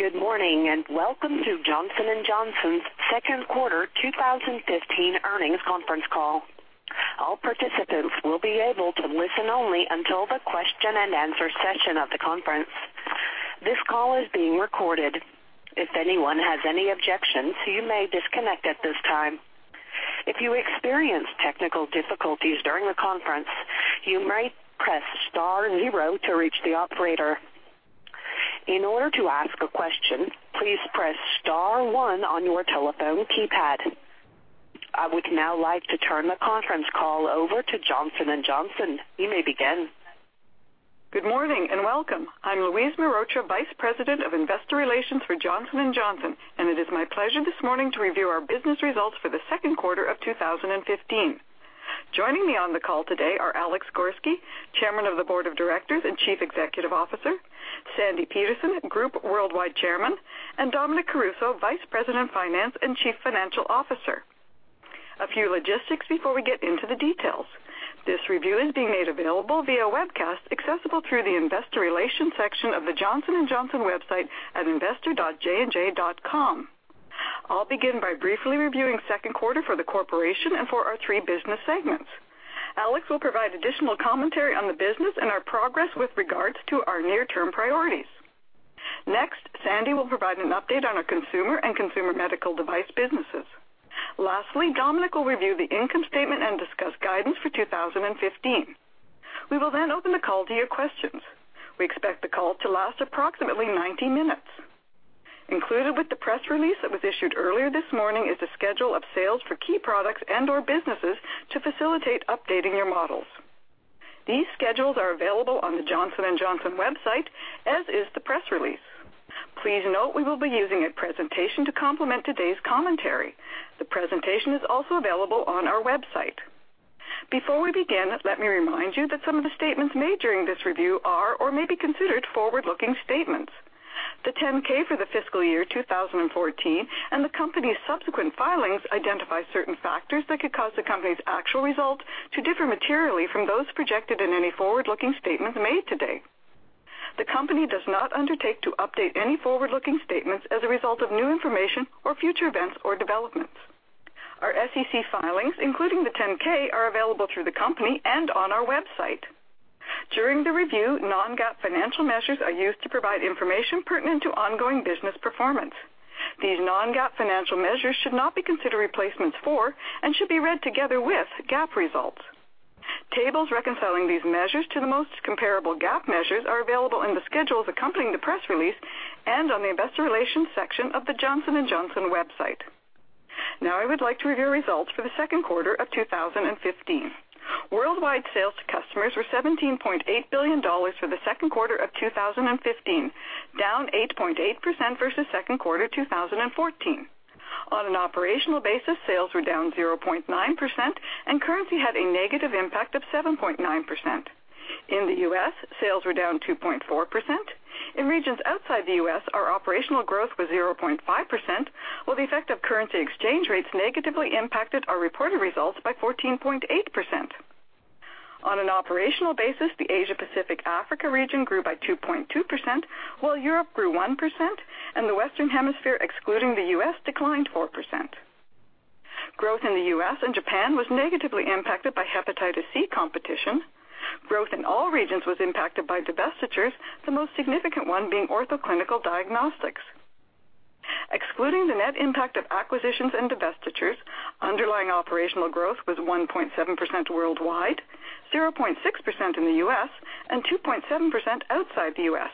Good morning, and welcome to Johnson & Johnson's second quarter 2015 earnings conference call. All participants will be able to listen only until the question and answer session of the conference. This call is being recorded. If anyone has any objections, you may disconnect at this time. If you experience technical difficulties during the conference, you may press star zero to reach the operator. In order to ask a question, please press star one on your telephone keypad. I would now like to turn the conference call over to Johnson & Johnson. You may begin. Good morning, and welcome. I'm Louise Mehrotra, Vice President of Investor Relations for Johnson & Johnson, and it is my pleasure this morning to review our business results for the second quarter of 2015. Joining me on the call today are Alex Gorsky, Chairman of the Board of Directors and Chief Executive Officer; Sandi Peterson, Group Worldwide Chairman; and Dominic Caruso, Vice President, Finance, and Chief Financial Officer. A few logistics before we get into the details. This review is being made available via webcast, accessible through the investor relations section of the Johnson & Johnson website at investor.jnj.com. I'll begin by briefly reviewing second quarter for the corporation and for our three business segments. Alex will provide additional commentary on the business and our progress with regards to our near-term priorities. Sandi will provide an update on our consumer and consumer medical device businesses. Dominic will review the income statement and discuss guidance for 2015. We will open the call to your questions. We expect the call to last approximately 90 minutes. Included with the press release that was issued earlier this morning is a schedule of sales for key products and/or businesses to facilitate updating your models. These schedules are available on the Johnson & Johnson website, as is the press release. Please note we will be using a presentation to complement today's commentary. The presentation is also available on our website. Before we begin, let me remind you that some of the statements made during this review are or may be considered forward-looking statements. The 10-K for the fiscal year 2014 and the company's subsequent filings identify certain factors that could cause the company's actual results to differ materially from those projected in any forward-looking statements made today. The company does not undertake to update any forward-looking statements as a result of new information or future events or developments. Our SEC filings, including the 10-K, are available through the company and on our website. During the review, non-GAAP financial measures are used to provide information pertinent to ongoing business performance. These non-GAAP financial measures should not be considered replacements for and should be read together with GAAP results. Tables reconciling these measures to the most comparable GAAP measures are available in the schedules accompanying the press release and on the investor relations section of the Johnson & Johnson website. I would like to review results for the second quarter of 2015. Worldwide sales to customers were $17.8 billion for the second quarter of 2015, down 8.8% versus second quarter 2014. On an operational basis, sales were down 0.9%, and currency had a negative impact of 7.9%. In the U.S., sales were down 2.4%. In regions outside the U.S., our operational growth was 0.5%, while the effect of currency exchange rates negatively impacted our reported results by 14.8%. On an operational basis, the Asia-Pacific-Africa region grew by 2.2%, while Europe grew 1% and the Western Hemisphere, excluding the U.S., declined 4%. Growth in the U.S. and Japan was negatively impacted by hepatitis C competition. Growth in all regions was impacted by divestitures, the most significant one being Ortho Clinical Diagnostics. Excluding the net impact of acquisitions and divestitures, underlying operational growth was 1.7% worldwide, 0.6% in the U.S., and 2.7% outside the U.S.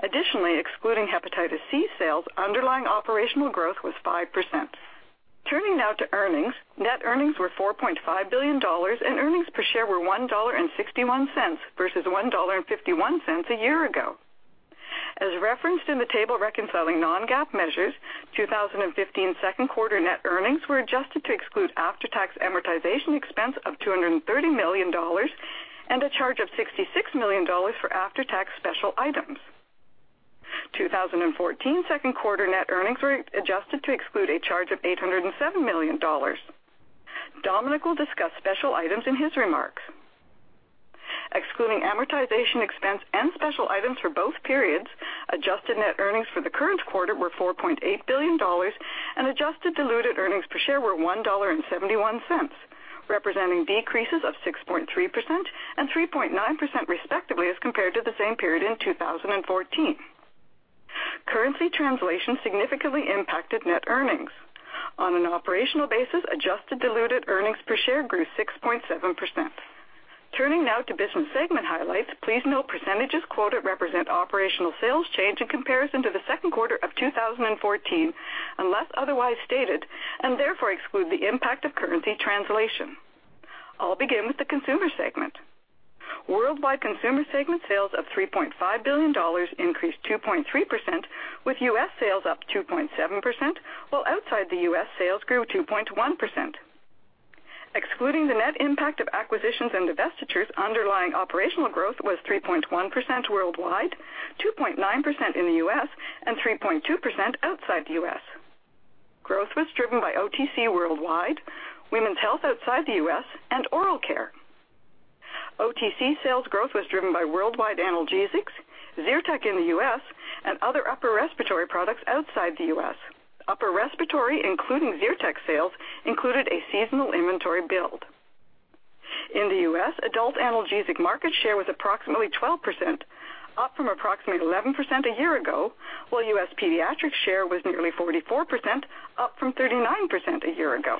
Additionally, excluding hepatitis C sales, underlying operational growth was 5%. Turning now to earnings. Net earnings were $4.5 billion, and earnings per share were $1.61 versus $1.51 a year ago. As referenced in the table reconciling non-GAAP measures, 2015 second quarter net earnings were adjusted to exclude after-tax amortization expense of $230 million and a charge of $66 million for after-tax special items. 2014 second quarter net earnings were adjusted to exclude a charge of $807 million. Dominic will discuss special items in his remarks. Excluding amortization expense and special items for both periods, adjusted net earnings for the current quarter were $4.8 billion and adjusted diluted earnings per share were $1.71, representing decreases of 6.3% and 3.9% respectively as compared to the same period in 2014. Currency translation significantly impacted net earnings. On an operational basis, adjusted diluted earnings per share grew 6.7%. Turning now to business segment highlights. Please note percentages quoted represent operational sales change in comparison to the second quarter of 2014, unless otherwise stated, and therefore exclude the impact of currency translation. I'll begin with the consumer segment. Worldwide consumer segment sales of $3.5 billion increased 2.3%, with U.S. sales up 2.7%, while outside the U.S., sales grew 2.1%. Excluding the net impact of acquisitions and divestitures, underlying operational growth was 3.1% worldwide, 2.9% in the U.S., and 3.2% outside the U.S. Growth was driven by OTC worldwide, women's health outside the U.S., and oral care. OTC sales growth was driven by worldwide analgesics, ZYRTEC in the U.S., and other upper respiratory products outside the U.S. Upper respiratory, including ZYRTEC sales, included a seasonal inventory build. In the U.S., adult analgesic market share was approximately 12%, up from approximately 11% a year ago, while U.S. pediatric share was nearly 44%, up from 39% a year ago.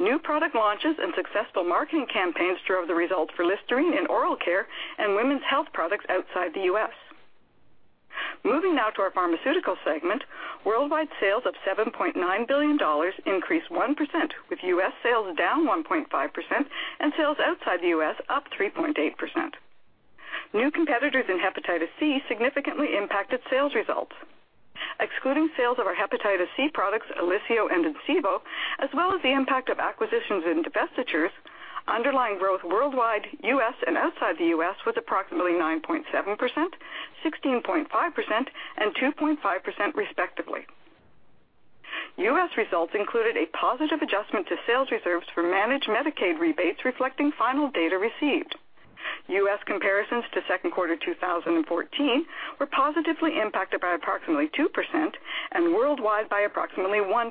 New product launches and successful marketing campaigns drove the results for LISTERINE in oral care and women's health products outside the U.S. Moving now to our pharmaceutical segment, worldwide sales of $7.9 billion increased 1%, with U.S. sales down 1.5% and sales outside the U.S. up 3.8%. New competitors in hepatitis C significantly impacted sales results. Excluding sales of our hepatitis C products, OLYSIO and SOVRIAD, as well as the impact of acquisitions and divestitures, underlying growth worldwide, U.S. and outside the U.S., was approximately 9.7%, 16.5% and 2.5% respectively. U.S. results included a positive adjustment to sales reserves for Managed Medicaid rebates reflecting final data received. U.S. comparisons to second quarter 2014 were positively impacted by approximately 2% and worldwide by approximately 1%.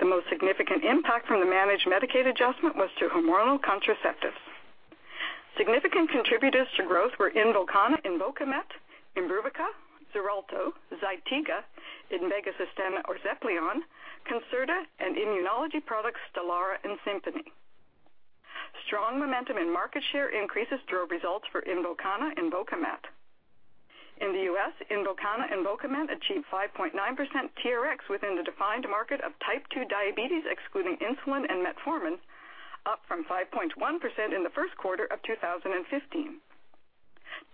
The most significant impact from the Managed Medicaid adjustment was to hormonal contraceptives. Significant contributors to growth were INVOKANA/INVOKAMET, IMBRUVICA, XARELTO, ZYTIGA, INVEGA SUSTENNA or XEPLION, CONCERTA, and immunology products, STELARA and SIMPONI. Strong momentum and market share increases drove results for INVOKANA/INVOKAMET. In the U.S., INVOKANA/INVOKAMET achieved 5.9% TRX within the defined market of type 2 diabetes, excluding insulin and metformin, up from 5.1% in the first quarter of 2015.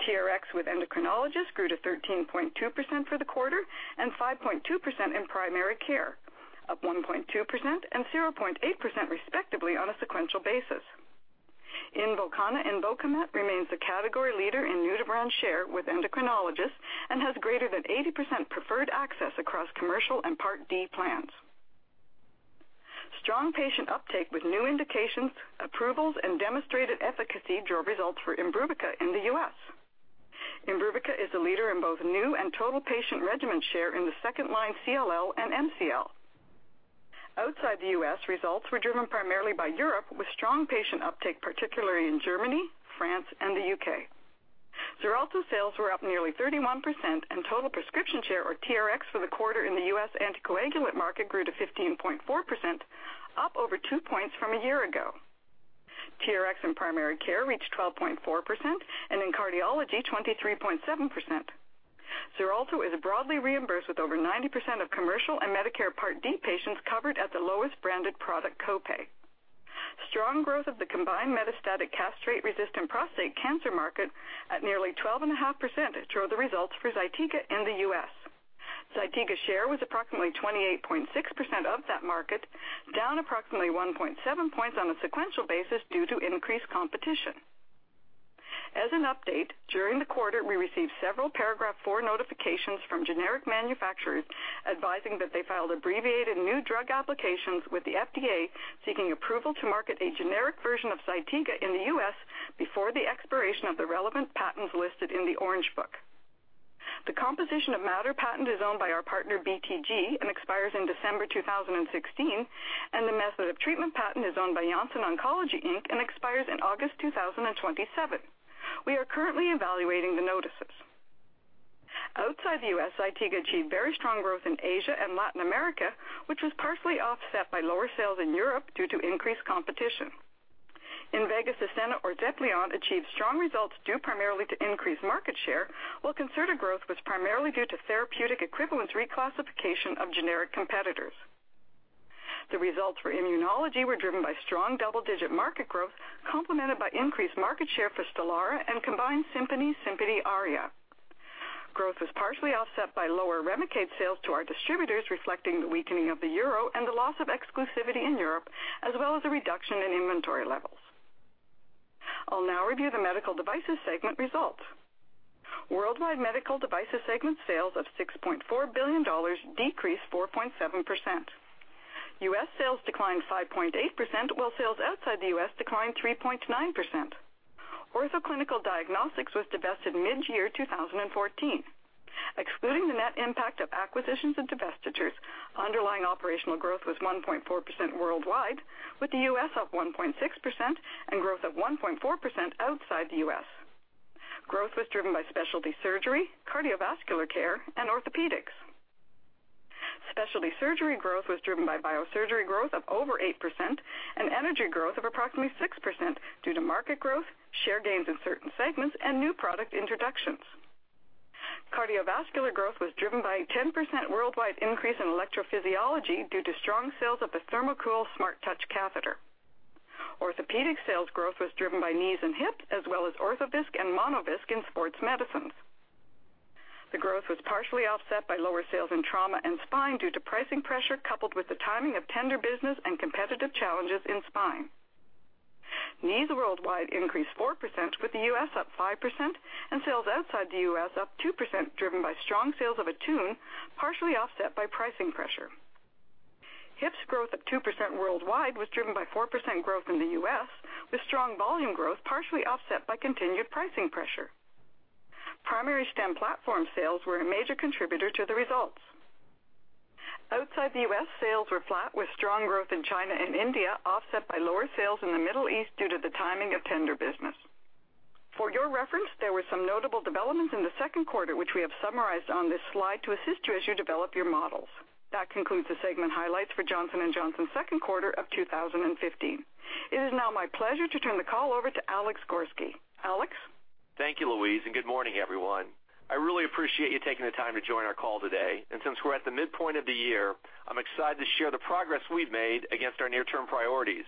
TRX with endocrinologists grew to 13.2% for the quarter and 5.2% in primary care, up 1.2% and 0.8% respectively on a sequential basis. INVOKANA/INVOKAMET remains the category leader in new-to-brand share with endocrinologists and has greater than 80% preferred access across commercial and Part D plans. Strong patient uptake with new indications, approvals, and demonstrated efficacy drove results for IMBRUVICA in the U.S. IMBRUVICA is a leader in both new and total patient regimen share in the second-line CLL and MCL. Outside the U.S., results were driven primarily by Europe, with strong patient uptake, particularly in Germany, France, and the U.K. XARELTO sales were up nearly 31%, and total prescription share or TRX for the quarter in the U.S. anticoagulant market grew to 15.4%, up over two points from a year ago. TRX in primary care reached 12.4%, and in cardiology, 23.7%. XARELTO is broadly reimbursed with over 90% of commercial and Medicare Part D patients covered at the lowest branded product copay. Strong growth of the combined metastatic castrate-resistant prostate cancer market at nearly 12.5% drove the results for ZYTIGA in the U.S. ZYTIGA share was approximately 28.6% of that market, down approximately 1.7 points on a sequential basis due to increased competition. As an update, during the quarter, we received several Paragraph IV notifications from generic manufacturers advising that they filed abbreviated new drug applications with the FDA seeking approval to market a generic version of ZYTIGA in the U.S. before the expiration of the relevant patents listed in the Orange Book. The composition of matter patent is owned by our partner BTG and expires in December 2016, and the method of treatment patent is owned by Janssen Oncology, Inc and expires in August 2027. We are currently evaluating the notices. Outside the U.S., ZYTIGA achieved very strong growth in Asia and Latin America, which was partially offset by lower sales in Europe due to increased competition. INVEGA SUSTENNA or XEPLION achieved strong results due primarily to increased market share, while CONCERTA growth was primarily due to therapeutic equivalence reclassification of generic competitors. The results for immunology were driven by strong double-digit market growth, complemented by increased market share for STELARA and combined SIMPONI/SIMPONI ARIA. Growth was partially offset by lower REMICADE sales to our distributors, reflecting the weakening of the EUR and the loss of exclusivity in Europe, as well as a reduction in inventory levels. I'll now review the medical devices segment results. Worldwide medical devices segment sales of $6.4 billion decreased 4.7%. U.S. sales declined 5.8%, while sales outside the U.S. declined 3.9%. Ortho Clinical Diagnostics was divested mid-year 2014. Excluding the net impact of acquisitions and divestitures, underlying operational growth was 1.4% worldwide, with the U.S. up 1.6% and growth of 1.4% outside the U.S. Growth was driven by specialty surgery, cardiovascular care, and orthopedics. Specialty surgery growth was driven by Biosurgery growth of over 8% and energy growth of approximately 6% due to market growth, share gains in certain segments, and new product introductions. Cardiovascular growth was driven by a 10% worldwide increase in electrophysiology due to strong sales of the THERMOCOOL SMARTTOUCH catheter. Orthopedic sales growth was driven by knees and hips as well as ORTHOVISC and MONOVISC in sports medicines. The growth was partially offset by lower sales in trauma and spine due to pricing pressure coupled with the timing of tender business and competitive challenges in spine. Knee worldwide increased 4%, with the U.S. up 5% and sales outside the U.S. up 2%, driven by strong sales of ATTUNE, partially offset by pricing pressure. Hips' growth of 2% worldwide was driven by 4% growth in the U.S., with strong volume growth partially offset by continued pricing pressure. Primary stem platform sales were a major contributor to the results. Outside the U.S., sales were flat with strong growth in China and India, offset by lower sales in the Middle East due to the timing of tender business. For your reference, there were some notable developments in the second quarter, which we have summarized on this slide to assist you as you develop your models. That concludes the segment highlights for Johnson & Johnson second quarter of 2015. It is now my pleasure to turn the call over to Alex Gorsky. Alex? Thank you, Louise, and good morning, everyone. I really appreciate you taking the time to join our call today. Since we're at the midpoint of the year, I'm excited to share the progress we've made against our near-term priorities.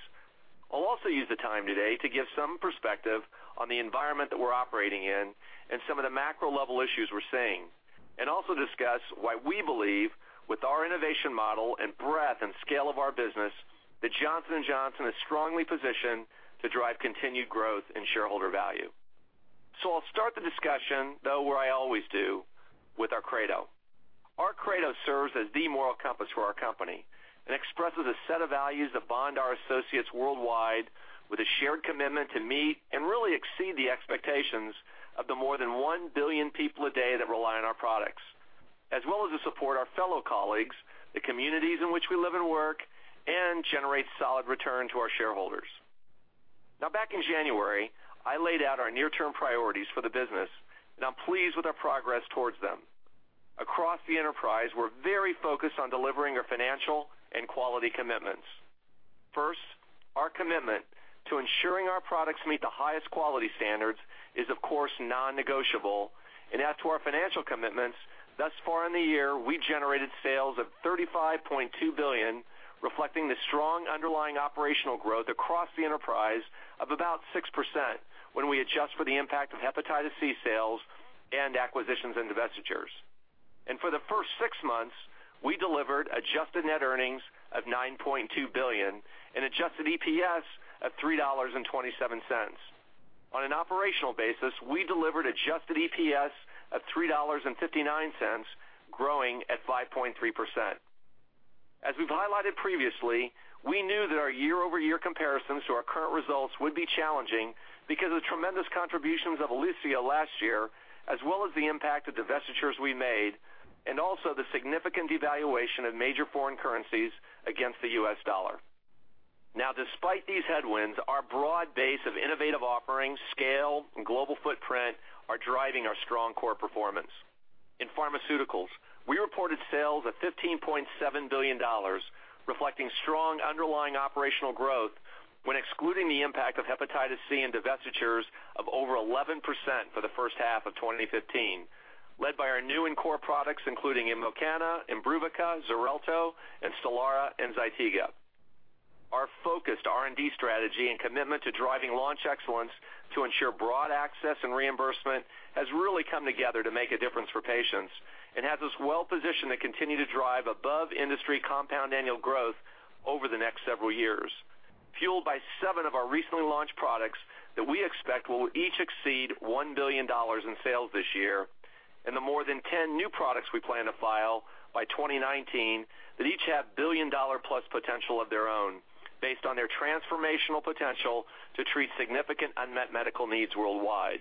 I'll also use the time today to give some perspective on the environment that we're operating in and some of the macro level issues we're seeing, also discuss why we believe with our innovation model and breadth and scale of our business, that Johnson & Johnson is strongly positioned to drive continued growth in shareholder value. I'll start the discussion, though, where I always do, with our credo. Our credo serves as the moral compass for our company and expresses a set of values that bond our associates worldwide with a shared commitment to meet and really exceed the expectations of the more than 1 billion people a day that rely on our products. As well as to support our fellow colleagues, the communities in which we live and work, and generate solid return to our shareholders. Now, back in January, I laid out our near-term priorities for the business, I'm pleased with our progress towards them. Across the enterprise, we're very focused on delivering our financial and quality commitments. First, our commitment to ensuring our products meet the highest quality standards is, of course, non-negotiable. As to our financial commitments, thus far in the year, we generated sales of $35.2 billion, reflecting the strong underlying operational growth across the enterprise of about 6% when we adjust for the impact of hepatitis C sales and acquisitions and divestitures. For the first six months, we delivered adjusted net earnings of $9.2 billion and adjusted EPS of $3.27. On an operational basis, we delivered adjusted EPS of $3.59, growing at 5.3%. As we've highlighted previously, we knew that our year-over-year comparisons to our current results would be challenging because of the tremendous contributions of OLYSIO last year, as well as the impact of divestitures we made, and also the significant devaluation of major foreign currencies against the US dollar. Despite these headwinds, our broad base of innovative offerings, scale, and global footprint are driving our strong core performance. In pharmaceuticals, we reported sales of $15.7 billion, reflecting strong underlying operational growth when excluding the impact of hepatitis C and divestitures of over 11% for the first half of 2015, led by our new and core products, including INVOKANA, IMBRUVICA, XARELTO, STELARA and ZYTIGA. Our focused R&D strategy and commitment to driving launch excellence to ensure broad access and reimbursement has really come together to make a difference for patients and has us well-positioned to continue to drive above-industry compound annual growth over the next several years. Fueled by seven of our recently launched products that we expect will each exceed $1 billion in sales this year, and the more than 10 new products we plan to file by 2019 that each have billion-dollar plus potential of their own based on their transformational potential to treat significant unmet medical needs worldwide.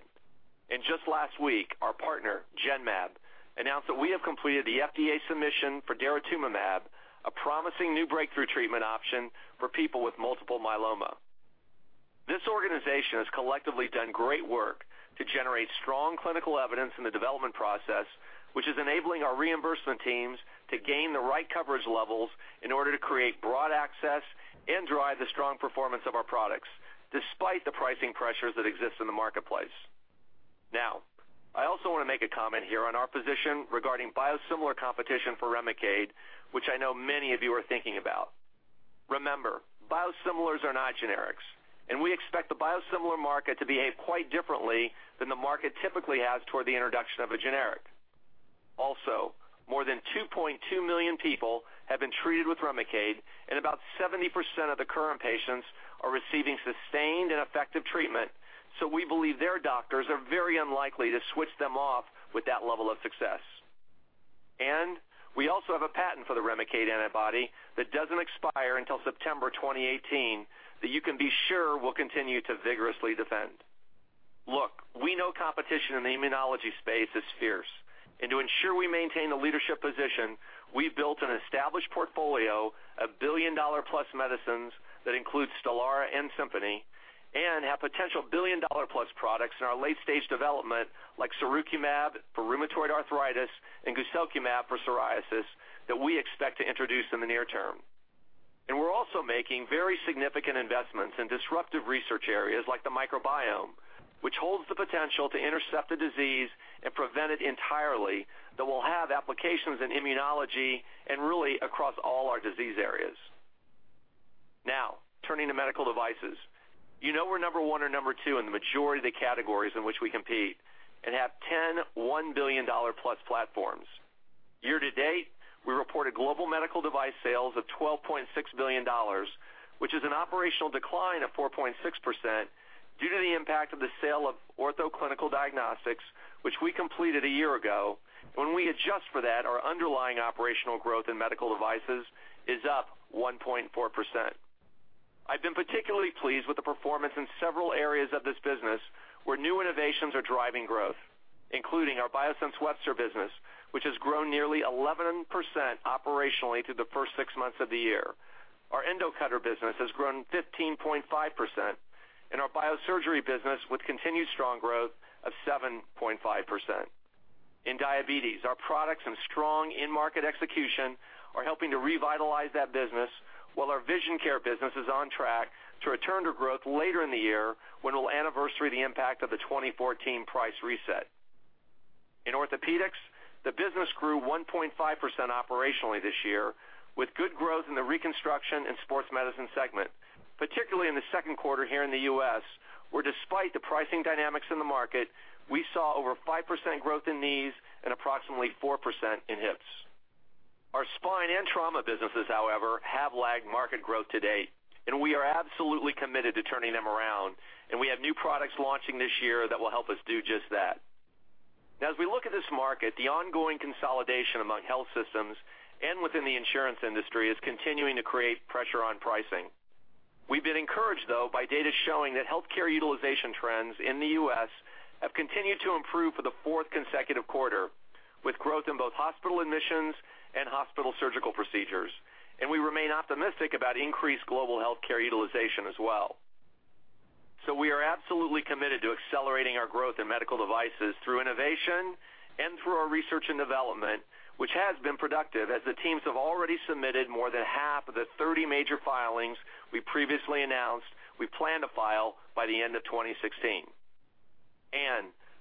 Just last week, our partner, Genmab, announced that we have completed the FDA submission for daratumumab, a promising new breakthrough treatment option for people with multiple myeloma. This organization has collectively done great work to generate strong clinical evidence in the development process, which is enabling our reimbursement teams to gain the right coverage levels in order to create broad access and drive the strong performance of our products, despite the pricing pressures that exist in the marketplace. I also want to make a comment here on our position regarding biosimilar competition for REMICADE, which I know many of you are thinking about. Remember, biosimilars are not generics, and we expect the biosimilar market to behave quite differently than the market typically has toward the introduction of a generic. More than 2.2 million people have been treated with REMICADE, and about 70% of the current patients are receiving sustained and effective treatment, so we believe their doctors are very unlikely to switch them off with that level of success. We also have a patent for the REMICADE antibody that doesn't expire until September 2018, that you can be sure we'll continue to vigorously defend. We know competition in the immunology space is fierce, and to ensure we maintain a leadership position, we've built an established portfolio of billion-dollar plus medicines that includes STELARA and SIMPONI, and have potential billion-dollar plus products in our late-stage development, like sirukumab for rheumatoid arthritis and guselkumab for psoriasis that we expect to introduce in the near term. We're also making very significant investments in disruptive research areas like the microbiome, which holds the potential to intercept a disease and prevent it entirely that will have applications in immunology and really across all our disease areas. Turning to medical devices. You know, we're number one or number two in the majority of the categories in which we compete and have 10 $1 billion-plus platforms. Year-to-date, we reported global medical device sales of $12.6 billion, which is an operational decline of 4.6% due to the impact of the sale of Ortho Clinical Diagnostics, which we completed a year ago. When we adjust for that, our underlying operational growth in medical devices is up 1.4%. I've been particularly pleased with the performance in several areas of this business where new innovations are driving growth, including our Biosense Webster business, which has grown nearly 11% operationally through the first six months of the year. Our Endocutter business has grown 15.5%, and our Biosurgery business with continued strong growth of 7.5%. In diabetes, our products and strong in-market execution are helping to revitalize that business, while our Vision Care business is on track to return to growth later in the year, when it will anniversary the impact of the 2014 price reset. In orthopedics, the business grew 1.5% operationally this year, with good growth in the reconstruction and sports medicine segment, particularly in the second quarter here in the U.S., where despite the pricing dynamics in the market, we saw over 5% growth in knees and approximately 4% in hips. Our spine and trauma businesses, however, have lagged market growth to date. We are absolutely committed to turning them around. We have new products launching this year that will help us do just that. As we look at this market, the ongoing consolidation among health systems and within the insurance industry is continuing to create pressure on pricing. We've been encouraged, though, by data showing that healthcare utilization trends in the U.S. have continued to improve for the fourth consecutive quarter, with growth in both hospital admissions and hospital surgical procedures. We remain optimistic about increased global healthcare utilization as well. We are absolutely committed to accelerating our growth in medical devices through innovation and through our research and development, which has been productive as the teams have already submitted more than half of the 30 major filings we previously announced we plan to file by the end of 2016.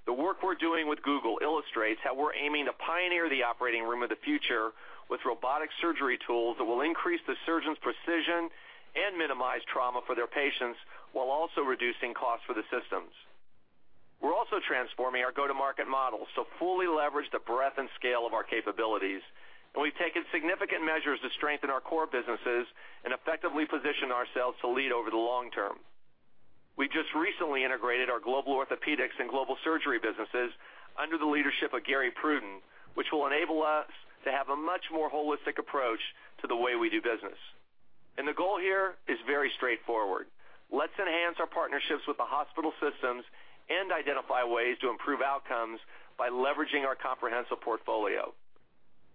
The work we're doing with Google illustrates how we're aiming to pioneer the operating room of the future with robotic surgery tools that will increase the surgeon's precision and minimize trauma for their patients while also reducing costs for the systems. We're also transforming our go-to-market models to fully leverage the breadth and scale of our capabilities. We've taken significant measures to strengthen our core businesses and effectively position ourselves to lead over the long term. We just recently integrated our Global Orthopedics and Global Surgery businesses under the leadership of Gary Pruden, which will enable us to have a much more holistic approach to the way we do business. The goal here is very straightforward. Let's enhance our partnerships with the hospital systems and identify ways to improve outcomes by leveraging our comprehensive portfolio.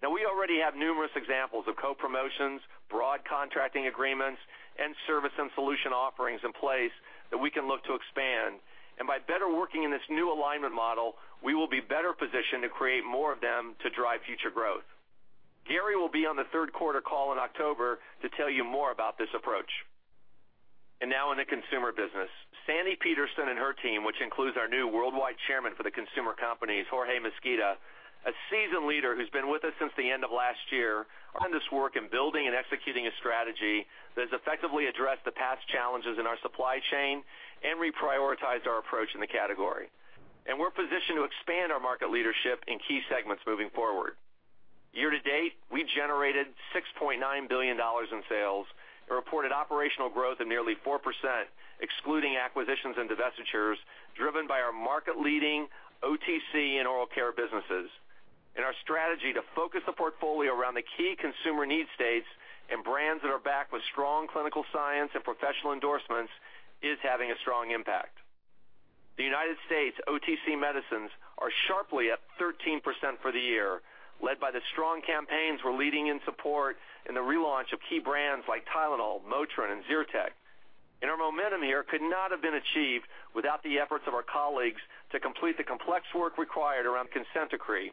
Now, we already have numerous examples of co-promotions, broad contracting agreements, and service and solution offerings in place that we can look to expand. By better working in this new alignment model, we will be better positioned to create more of them to drive future growth. Gary will be on the third quarter call in October to tell you more about this approach. Now in the consumer business, Sandi Peterson and her team, which includes our new Worldwide Chairman for the Consumer Companies, Jorge Mesquita, a seasoned leader who's been with us since the end of last year, are in this work in building and executing a strategy that has effectively addressed the past challenges in our supply chain and reprioritized our approach in the category. We're positioned to expand our market leadership in key segments moving forward. Year to date, we generated $6.9 billion in sales and reported operational growth of nearly 4%, excluding acquisitions and divestitures, driven by our market-leading OTC and oral care businesses. Our strategy to focus the portfolio around the key consumer need states and brands that are backed with strong clinical science and professional endorsements is having a strong impact. The U.S. OTC medicines are sharply up 13% for the year, led by the strong campaigns we're leading in support in the relaunch of key brands like Tylenol, MOTRIN, and ZYRTEC. Our momentum here could not have been achieved without the efforts of our colleagues to complete the complex work required around consent decree.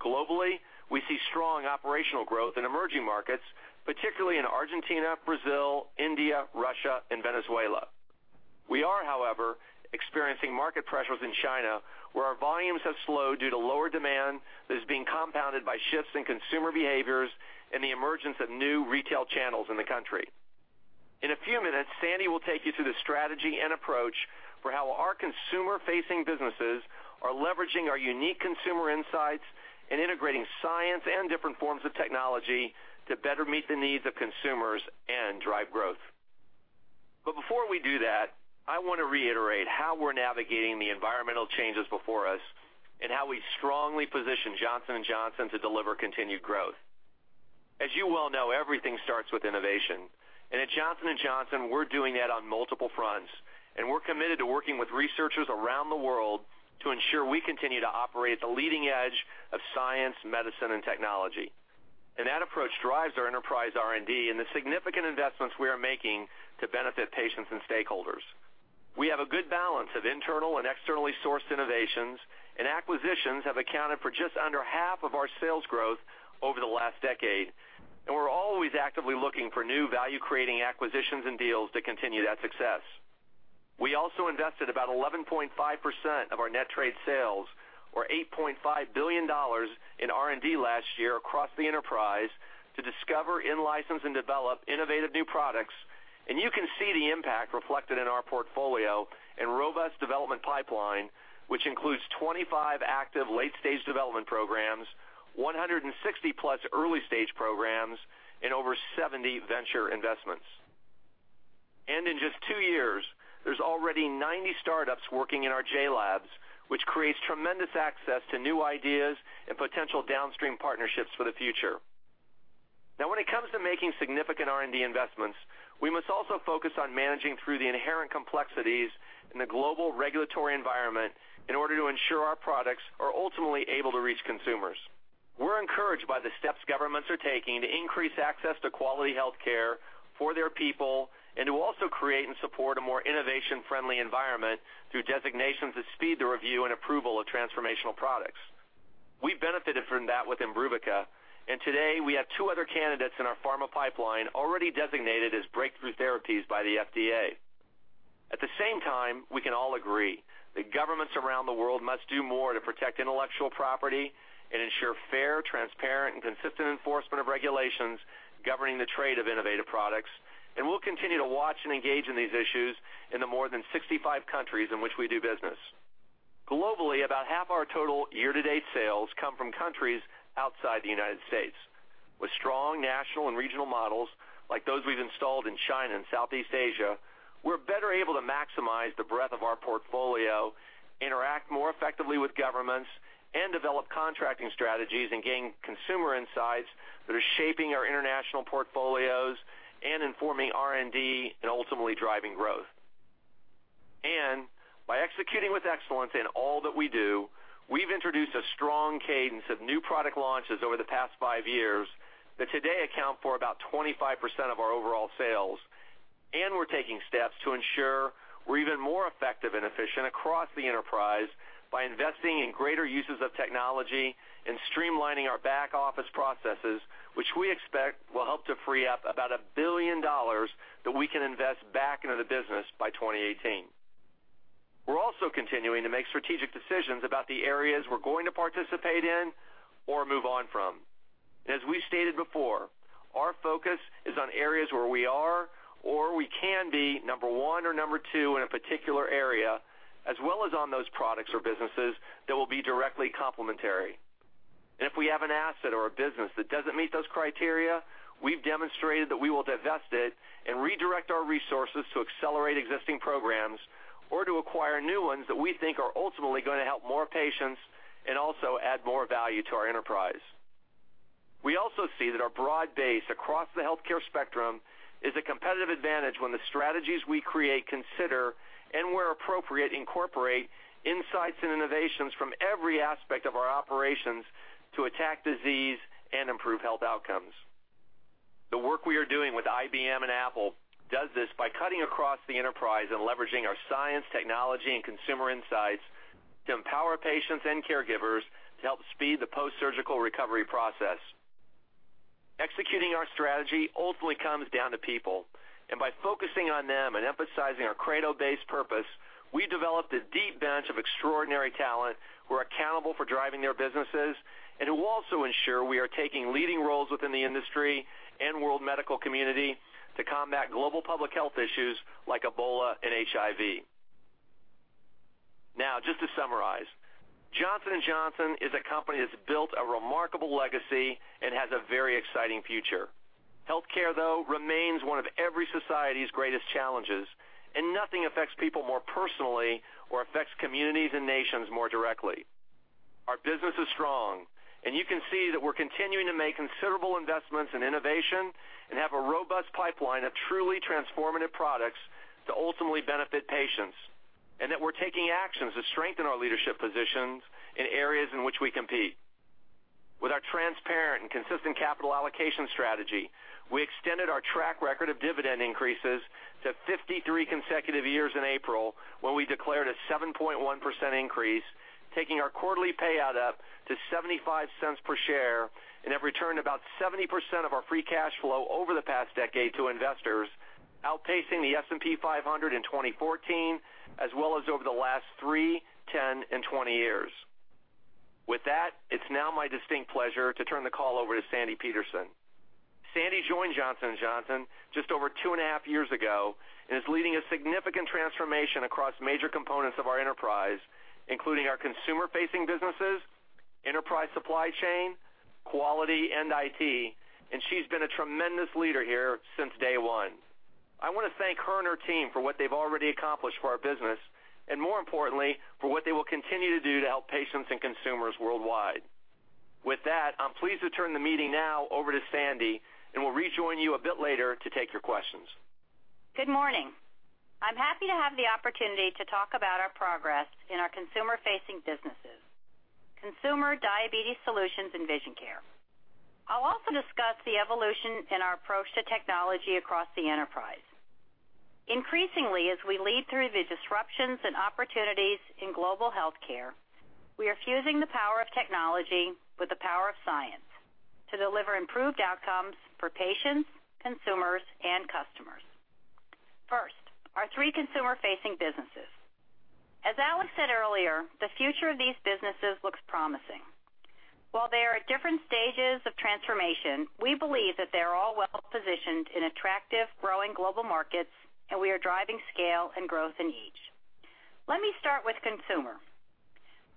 Globally, we see strong operational growth in emerging markets, particularly in Argentina, Brazil, India, Russia, and Venezuela. We are, however, experiencing market pressures in China, where our volumes have slowed due to lower demand that is being compounded by shifts in consumer behaviors and the emergence of new retail channels in the country. In a few minutes, Sandi will take you through the strategy and approach for how our consumer-facing businesses are leveraging our unique consumer insights and integrating science and different forms of technology to better meet the needs of consumers and drive growth. Before we do that, I want to reiterate how we're navigating the environmental changes before us and how we strongly position Johnson & Johnson to deliver continued growth. As you well know, everything starts with innovation, and at Johnson & Johnson, we're doing that on multiple fronts. We're committed to working with researchers around the world to ensure we continue to operate at the leading edge of science, medicine, and technology. That approach drives our enterprise R&D and the significant investments we are making to benefit patients and stakeholders. We have a good balance of internal and externally sourced innovations, acquisitions have accounted for just under half of our sales growth over the last decade. We're always actively looking for new value-creating acquisitions and deals to continue that success. We also invested about 11.5% of our net trade sales, or $8.5 billion in R&D last year across the enterprise to discover, in-license, and develop innovative new products. You can see the impact reflected in our portfolio and robust development pipeline, which includes 25 active late-stage development programs, 160-plus early-stage programs, and over 70 venture investments. In just two years, there's already 90 startups working in our JLABS, which creates tremendous access to new ideas and potential downstream partnerships for the future. Now, when it comes to making significant R&D investments, we must also focus on managing through the inherent complexities in the global regulatory environment in order to ensure our products are ultimately able to reach consumers. We're encouraged by the steps governments are taking to increase access to quality healthcare for their people, to also create and support a more innovation-friendly environment through designations that speed the review and approval of transformational products. We benefited from that with IMBRUVICA, today we have two other candidates in our pharma pipeline already designated as breakthrough therapies by the FDA. At the same time, we can all agree that governments around the world must do more to protect intellectual property and ensure fair, transparent, and consistent enforcement of regulations governing the trade of innovative products, we'll continue to watch and engage in these issues in the more than 65 countries in which we do business. Globally, about half our total year-to-date sales come from countries outside the United States. With strong national and regional models, like those we've installed in China and Southeast Asia, we're better able to maximize the breadth of our portfolio, interact more effectively with governments, develop contracting strategies and gain consumer insights that are shaping our international portfolios and informing R&D, ultimately driving growth. By executing with excellence in all that we do, we've introduced a strong cadence of new product launches over the past five years that today account for about 25% of our overall sales. We're taking steps to ensure we're even more effective and efficient across the enterprise by investing in greater uses of technology and streamlining our back-office processes, which we expect will help to free up about $1 billion that we can invest back into the business by 2018. We're also continuing to make strategic decisions about the areas we're going to participate in or move on from. As we stated before, our focus is on areas where we are or we can be number 1 or number 2 in a particular area, as well as on those products or businesses that will be directly complementary. If we have an asset or a business that doesn't meet those criteria, we've demonstrated that we will divest it and redirect our resources to accelerate existing programs or to acquire new ones that we think are ultimately going to help more patients and also add more value to our enterprise. We also see that our broad base across the healthcare spectrum is a competitive advantage when the strategies we create consider, and where appropriate, incorporate insights and innovations from every aspect of our operations to attack disease and improve health outcomes. The work we are doing with IBM and Apple does this by cutting across the enterprise and leveraging our science, technology, and consumer insights to empower patients and caregivers to help speed the post-surgical recovery process. Executing our strategy ultimately comes down to people, by focusing on them and emphasizing our credo-based purpose, we developed a deep bench of extraordinary talent who are accountable for driving their businesses and who also ensure we are taking leading roles within the industry and world medical community to combat global public health issues like Ebola and HIV. Now, just to summarize, Johnson & Johnson is a company that's built a remarkable legacy and has a very exciting future. Healthcare, though, remains one of every society's greatest challenges, nothing affects people more personally or affects communities and nations more directly. Our business is strong, you can see that we're continuing to make considerable investments in innovation and have a robust pipeline of truly transformative products to ultimately benefit patients, and that we're taking actions to strengthen our leadership positions in areas in which we compete. With our transparent and consistent capital allocation strategy, we extended our track record of dividend increases to 53 consecutive years in April, when we declared a 7.1% increase, taking our quarterly payout up to $0.75 per share, and have returned about 70% of our free cash flow over the past decade to investors, outpacing the S&P 500 in 2014, as well as over the last 3, 10, and 20 years. With that, it's now my distinct pleasure to turn the call over to Sandi Peterson. Sandi joined Johnson & Johnson just over two and a half years ago and is leading a significant transformation across major components of our enterprise, including our consumer-facing businesses, enterprise supply chain, quality, and IT, and she's been a tremendous leader here since day one. I want to thank her and her team for what they've already accomplished for our business, and more importantly, for what they will continue to do to help patients and consumers worldwide. With that, I'm pleased to turn the meeting now over to Sandi, and we'll rejoin you a bit later to take your questions. Good morning. I am happy to have the opportunity to talk about our progress in our consumer-facing businesses, consumer diabetes solutions, and vision care. I will also discuss the evolution in our approach to technology across the enterprise. Increasingly, as we lead through the disruptions and opportunities in global healthcare, we are fusing the power of technology with the power of science to deliver improved outcomes for patients, consumers, and customers. First, our three consumer-facing businesses. As Alex Gorsky said earlier, the future of these businesses looks promising. While they are at different stages of transformation, we believe that they are all well-positioned in attractive, growing global markets, and we are driving scale and growth in each. Let me start with consumer.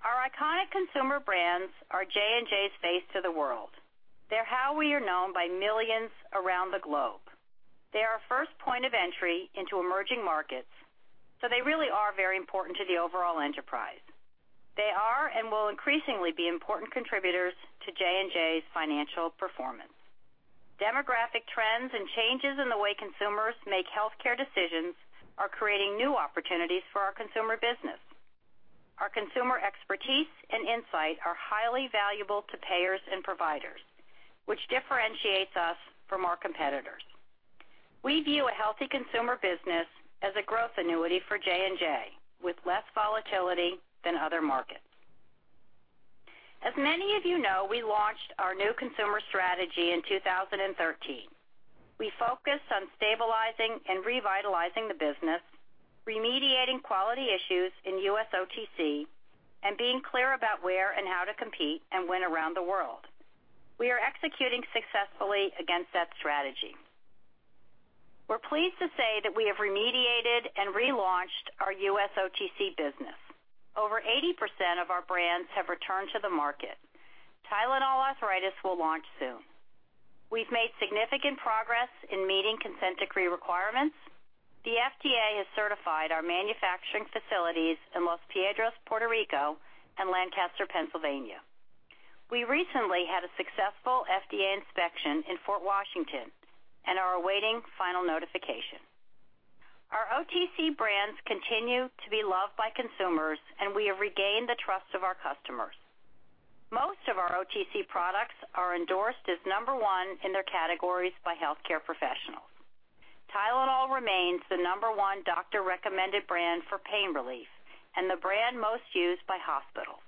Our iconic consumer brands are Johnson & Johnson's face to the world. They are how we are known by millions around the globe. They are our first point of entry into emerging markets. They really are very important to the overall enterprise. They are, and will increasingly be, important contributors to Johnson & Johnson's financial performance. Demographic trends and changes in the way consumers make healthcare decisions are creating new opportunities for our consumer business. Our consumer expertise and insight are highly valuable to payers and providers, which differentiates us from our competitors. We view a healthy consumer business as a growth annuity for Johnson & Johnson, with less volatility than other markets. As many of you know, we launched our new consumer strategy in 2013. We focused on stabilizing and revitalizing the business, remediating quality issues in U.S. OTC, and being clear about where and how to compete and win around the world. We are executing successfully against that strategy. We are pleased to say that we have remediated and relaunched our U.S. OTC business. Over 80% of our brands have returned to the market. Tylenol Arthritis will launch soon. We have made significant progress in meeting consent decree requirements. The FDA has certified our manufacturing facilities in Las Piedras, Puerto Rico, and Lancaster, Pennsylvania. We recently had a successful FDA inspection in Fort Washington and are awaiting final notification. Our OTC brands continue to be loved by consumers, and we have regained the trust of our customers. Most of our OTC products are endorsed as number 1 in their categories by healthcare professionals. Tylenol remains the number 1 doctor-recommended brand for pain relief and the brand most used by hospitals.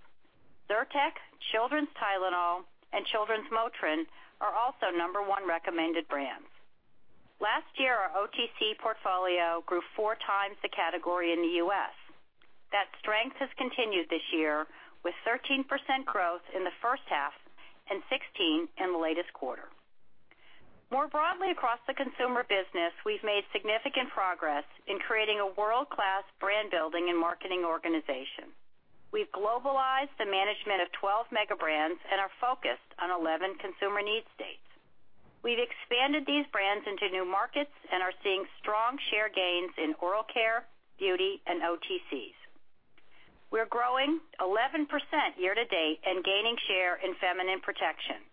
Zyrtec, Children's Tylenol, and Children's MOTRIN are also number 1 recommended brands. Last year, our OTC portfolio grew 4 times the category in the U.S. That strength has continued this year with 13% growth in the first half and 16% in the latest quarter. More broadly across the consumer business, we have made significant progress in creating a world-class brand-building and marketing organization. We have globalized the management of 12 mega brands and are focused on 11 consumer need states. We have expanded these brands into new markets and are seeing strong share gains in oral care, beauty, and OTCs. We are growing 11% year-to-date and gaining share in feminine protection.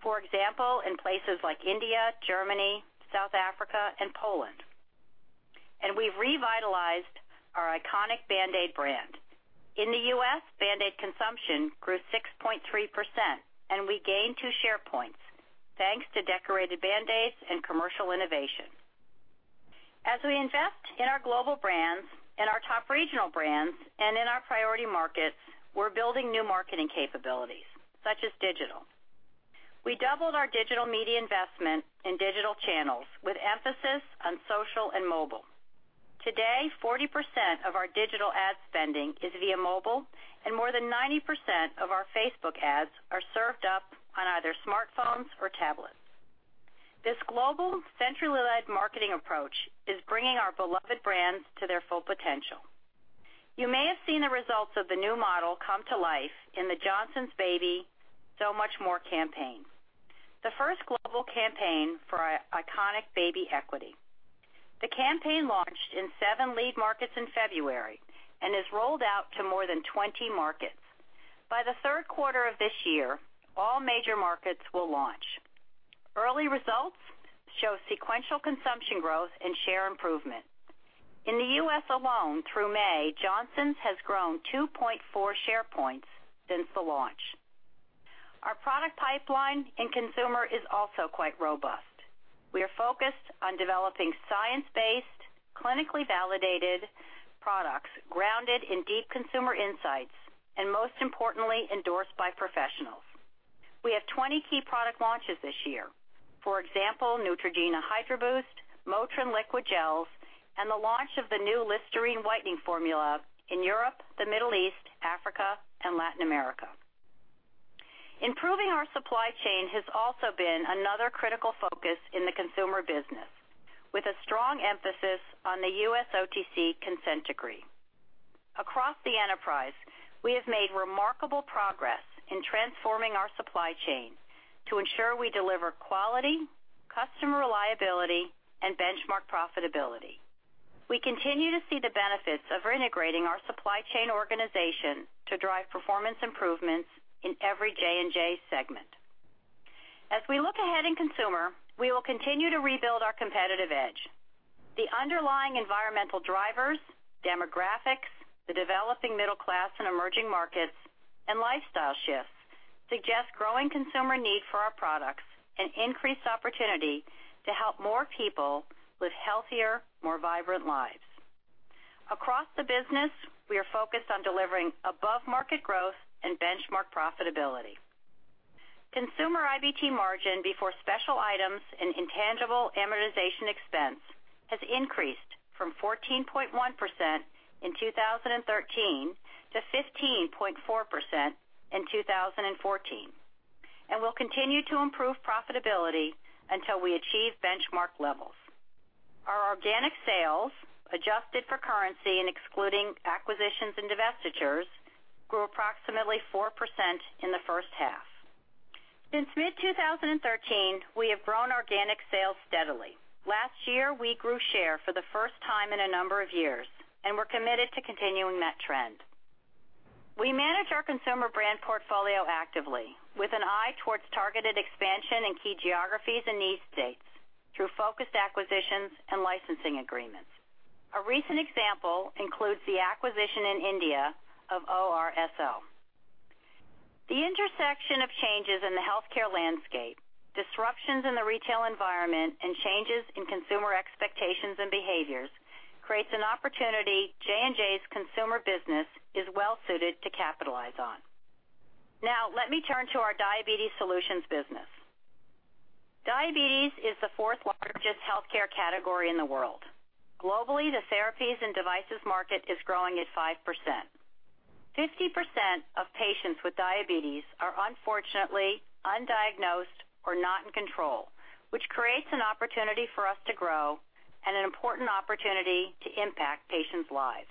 For example, in places like India, Germany, South Africa, and Poland. We have revitalized our iconic BAND-AID brand. In the U.S., BAND-AID consumption grew 6.3%, and we gained two share points, thanks to decorated BAND-AID and commercial innovation. As we invest in our global brands, in our top regional brands, and in our priority markets, we are building new marketing capabilities, such as digital. We doubled our digital media investment in digital channels with emphasis on social and mobile. Today, 40% of our digital ad spending is via mobile, and more than 90% of our Facebook ads are served up on either smartphones or tablets. This global, centrally led marketing approach is bringing our beloved brands to their full potential. You may have seen the results of the new model come to life in the Johnson's Baby So Much More campaign, the first global campaign for our iconic baby equity. The campaign launched in seven lead markets in February and has rolled out to more than 20 markets. By the third quarter of this year, all major markets will launch. Early results show sequential consumption growth and share improvement. In the U.S. alone, through May, Johnson's has grown 2.4 share points since the launch. Our product pipeline in consumer is also quite robust. We are focused on developing science-based, clinically validated products grounded in deep consumer insights, and most importantly, endorsed by professionals. We have 20 key product launches this year. For example, Neutrogena Hydro Boost, MOTRIN Liquid Gels, and the launch of the new LISTERINE whitening formula in Europe, the Middle East, Africa, and Latin America. Improving our supply chain has also been another critical focus in the consumer business, with a strong emphasis on the U.S. OTC consent decree. Across the enterprise, we have made remarkable progress in transforming our supply chain to ensure we deliver quality, customer reliability, and benchmark profitability. We continue to see the benefits of integrating our supply chain organization to drive performance improvements in every J&J segment. As we look ahead in consumer, we will continue to rebuild our competitive edge. The underlying environmental drivers, demographics, the developing middle class in emerging markets, and lifestyle shifts suggest growing consumer need for our products and increased opportunity to help more people live healthier, more vibrant lives. Across the business, we are focused on delivering above-market growth and benchmark profitability. Consumer IBT margin before special items and intangible amortization expense has increased from 14.1% in 2013 to 15.4% in 2014. We'll continue to improve profitability until we achieve benchmark levels. Our organic sales, adjusted for currency and excluding acquisitions and divestitures, grew approximately 4% in the first half. Since mid-2013, we have grown organic sales steadily. Last year, we grew share for the first time in a number of years, and we're committed to continuing that trend. We manage our consumer brand portfolio actively with an eye towards targeted expansion in key geographies and need states through focused acquisitions and licensing agreements. A recent example includes the acquisition in India of ORSL. The intersection of changes in the healthcare landscape, disruptions in the retail environment, and changes in consumer expectations and behaviors creates an opportunity J&J's consumer business is well-suited to capitalize on. Now, let me turn to our diabetes solutions business. Diabetes is the fourth largest healthcare category in the world. Globally, the therapies and devices market is growing at 5%. 50% of patients with diabetes are unfortunately undiagnosed or not in control, which creates an opportunity for us to grow and an important opportunity to impact patients' lives.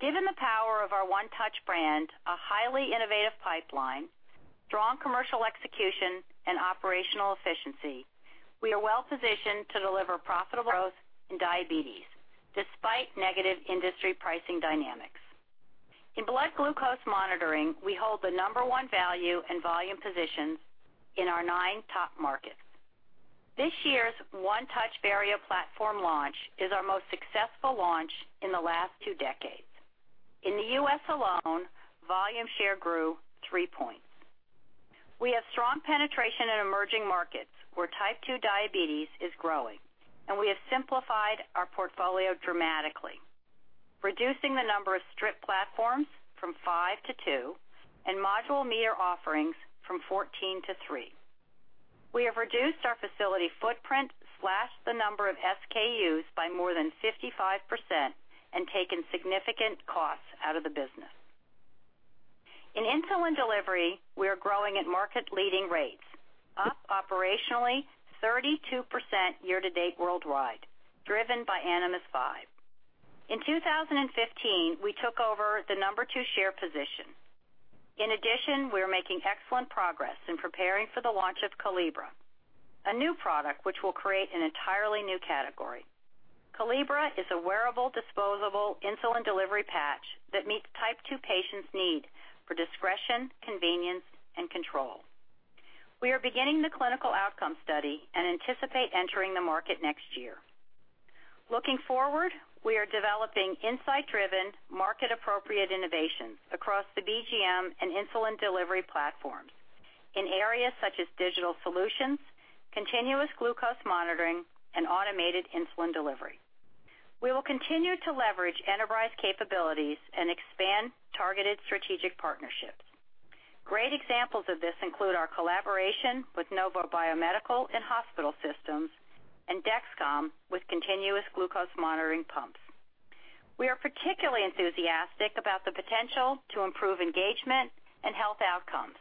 Given the power of our OneTouch brand, a highly innovative pipeline, strong commercial execution, and operational efficiency, we are well-positioned to deliver profitable growth in diabetes despite negative industry pricing dynamics. In blood glucose monitoring, we hold the number 1 value and volume positions in our nine top markets. This year's OneTouch Verio platform launch is our most successful launch in the last two decades. In the U.S. alone, volume share grew three points. We have strong penetration in emerging markets where type 2 diabetes is growing. We have simplified our portfolio dramatically, reducing the number of strip platforms from five to two and module meter offerings from 14 to three. We have reduced our facility footprint, slashed the number of SKUs by more than 55%, and taken significant costs out of the business. In insulin delivery, we are growing at market-leading rates, up operationally 32% year-to-date worldwide, driven by Animas Vibe. In 2015, we took over the number 2 share position. In addition, we are making excellent progress in preparing for the launch of Calibra, a new product which will create an entirely new category. Calibra is a wearable, disposable insulin delivery patch that meets type 2 patients' need for discretion, convenience, and control. We are beginning the clinical outcome study and anticipate entering the market next year. Looking forward, we are developing insight-driven, market-appropriate innovations across the BGM and insulin delivery platforms in areas such as digital solutions, continuous glucose monitoring, and automated insulin delivery. We will continue to leverage enterprise capabilities and expand targeted strategic partnerships. Great examples of this include our collaboration with Nova Biomedical and Hospital Systems and Dexcom with continuous glucose monitoring pumps. We are particularly enthusiastic about the potential to improve engagement and health outcomes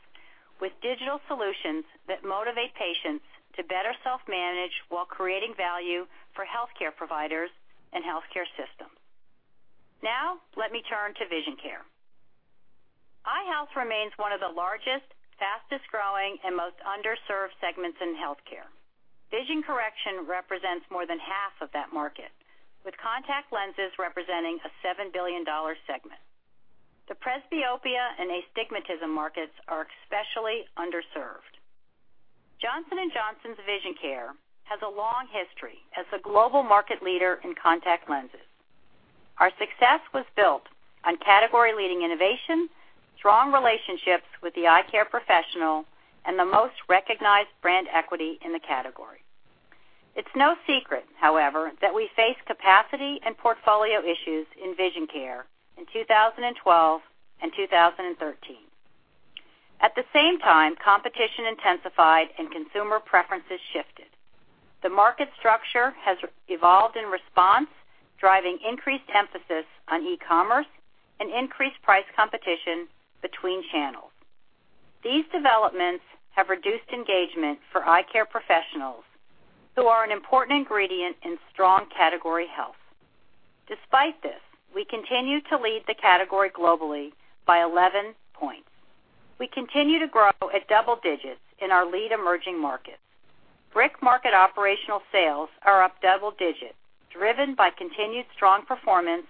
with digital solutions that motivate patients to better self-manage while creating value for healthcare providers and healthcare systems. Now, let me turn to Vision Care. Eye health remains one of the largest, fastest-growing, and most underserved segments in healthcare. Vision correction represents more than half of that market, with contact lenses representing a $7 billion segment. The presbyopia and astigmatism markets are especially underserved. Johnson & Johnson's Vision Care has a long history as the global market leader in contact lenses. Our success was built on category-leading innovation, strong relationships with the eye care professional, and the most recognized brand equity in the category. It's no secret, however, that we face capacity and portfolio issues in Vision Care in 2012 and 2013. At the same time, competition intensified and consumer preferences shifted. The market structure has evolved in response, driving increased emphasis on e-commerce and increased price competition between channels. These developments have reduced engagement for eye care professionals, who are an important ingredient in strong category health. Despite this, we continue to lead the category globally by 11 points. We continue to grow at double digits in our lead emerging markets. BRIC market operational sales are up double digits, driven by continued strong performance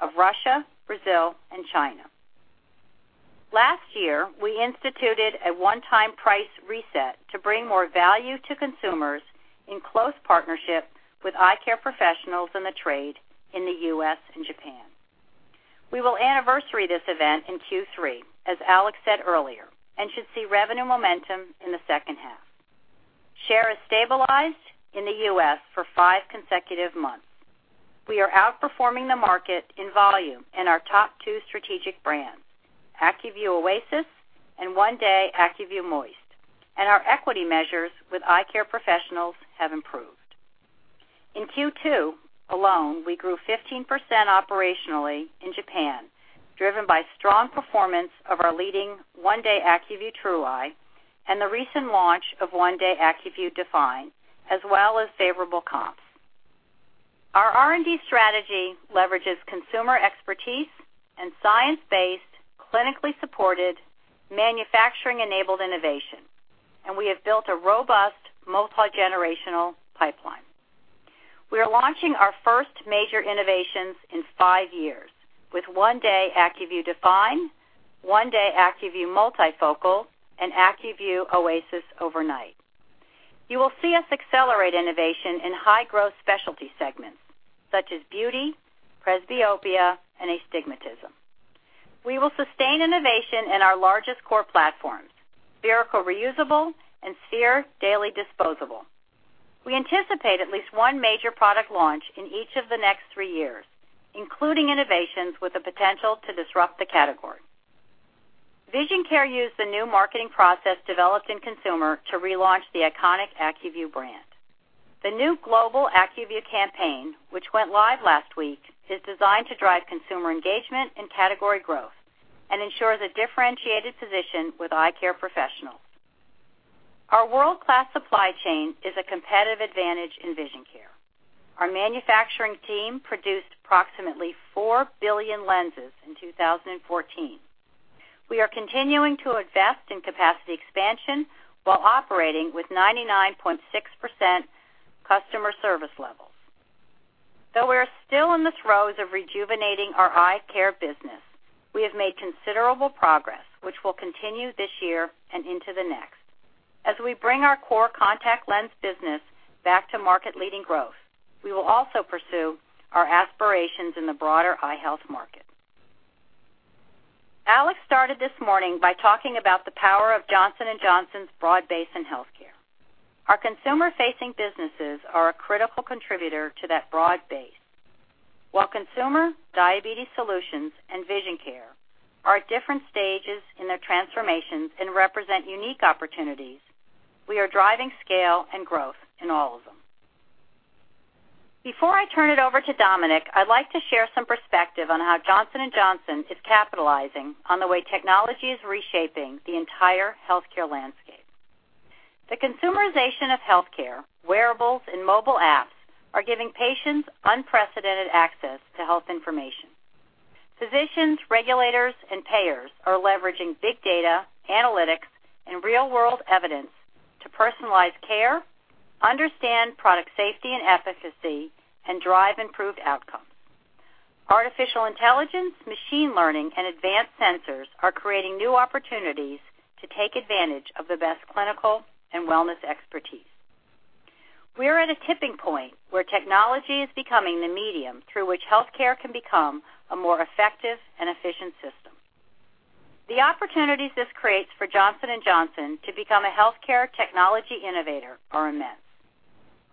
of Russia, Brazil, and China. Last year, we instituted a one-time price reset to bring more value to consumers in close partnership with eye care professionals in the trade in the U.S. and Japan. We will anniversary this event in Q3, as Alex said earlier. We should see revenue momentum in the second half. Share is stabilized in the U.S. for five consecutive months. We are outperforming the market in volume in our top 2 strategic brands, ACUVUE OASYS and 1-DAY ACUVUE MOIST. Our equity measures with eye care professionals have improved. In Q2 alone, we grew 15% operationally in Japan. Driven by strong performance of our leading 1-DAY ACUVUE TruEye and the recent launch of 1-DAY ACUVUE DEFINE, as well as favorable comps. Our R&D strategy leverages consumer expertise and science-based, clinically supported, manufacturing-enabled innovation, and we have built a robust multi-generational pipeline. We are launching our first major innovations in five years with 1-DAY ACUVUE DEFINE, 1-DAY ACUVUE Multifocal, and ACUVUE OASYS Overnight. You will see us accelerate innovation in high-growth specialty segments such as beauty, presbyopia, and astigmatism. We will sustain innovation in our largest core platforms, spherical reusable and sphere daily disposable. We anticipate at least one major product launch in each of the next three years, including innovations with the potential to disrupt the category. Vision Care used the new marketing process developed in consumer to relaunch the iconic ACUVUE brand. The new global ACUVUE campaign, which went live last week, is designed to drive consumer engagement and category growth and ensures a differentiated position with eye care professionals. Our world-class supply chain is a competitive advantage in Vision Care. Our manufacturing team produced approximately four billion lenses in 2014. We are continuing to invest in capacity expansion while operating with 99.6% customer service levels. Though we are still in the throes of rejuvenating our eye care business, we have made considerable progress, which will continue this year and into the next. As we bring our core contact lens business back to market-leading growth, we will also pursue our aspirations in the broader eye health market. Alex started this morning by talking about the power of Johnson & Johnson's broad base in healthcare. Our consumer-facing businesses are a critical contributor to that broad base. While Consumer, Diabetes Solutions, and Vision Care are at different stages in their transformations and represent unique opportunities, we are driving scale and growth in all of them. Before I turn it over to Dominic, I'd like to share some perspective on how Johnson & Johnson is capitalizing on the way technology is reshaping the entire healthcare landscape. The consumerization of healthcare, wearables, and mobile apps are giving patients unprecedented access to health information. Physicians, regulators, and payers are leveraging big data, analytics, and real-world evidence to personalize care, understand product safety and efficacy, and drive improved outcomes. Artificial intelligence, machine learning, and advanced sensors are creating new opportunities to take advantage of the best clinical and wellness expertise. We are at a tipping point where technology is becoming the medium through which healthcare can become a more effective and efficient system. The opportunities this creates for Johnson & Johnson to become a healthcare technology innovator are immense.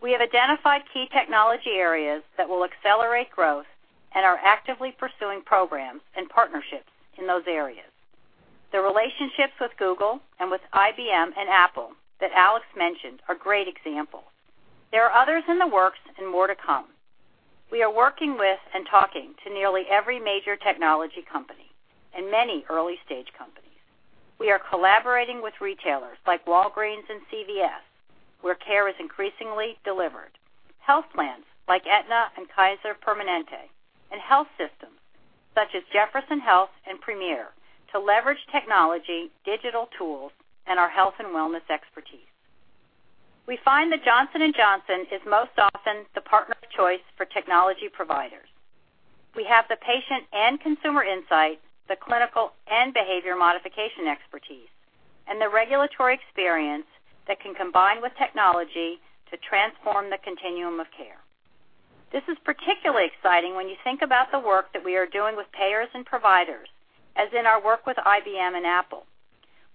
We have identified key technology areas that will accelerate growth and are actively pursuing programs and partnerships in those areas. The relationships with Google and with IBM and Apple that Alex mentioned are great examples. There are others in the works and more to come. We are working with and talking to nearly every major technology company and many early-stage companies. We are collaborating with retailers like Walgreens and CVS, where care is increasingly delivered. Health plans like Aetna and Kaiser Permanente and health systems such as Jefferson Health and Premier to leverage technology, digital tools, and our health and wellness expertise. We find that Johnson & Johnson is most often the partner of choice for technology providers. We have the patient and consumer insight, the clinical and behavior modification expertise, and the regulatory experience that can combine with technology to transform the continuum of care. This is particularly exciting when you think about the work that we are doing with payers and providers, as in our work with IBM and Apple.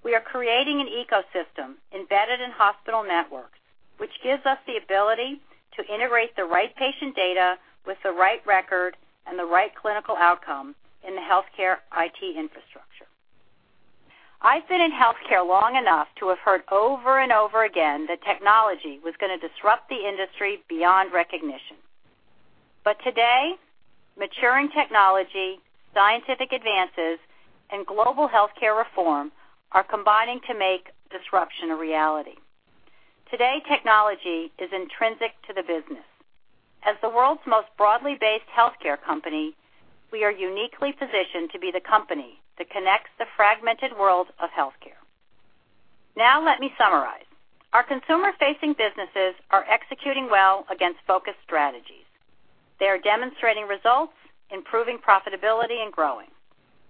We are creating an ecosystem embedded in hospital networks, which gives us the ability to integrate the right patient data with the right record and the right clinical outcome in the healthcare IT infrastructure. I've been in healthcare long enough to have heard over and over again that technology was going to disrupt the industry beyond recognition. Today, maturing technology, scientific advances, and global healthcare reform are combining to make disruption a reality. Today, technology is intrinsic to the business. As the world's most broadly based healthcare company, we are uniquely positioned to be the company that connects the fragmented world of healthcare. Now, let me summarize. Our consumer-facing businesses are executing well against focused strategies. They are demonstrating results, improving profitability, and growing.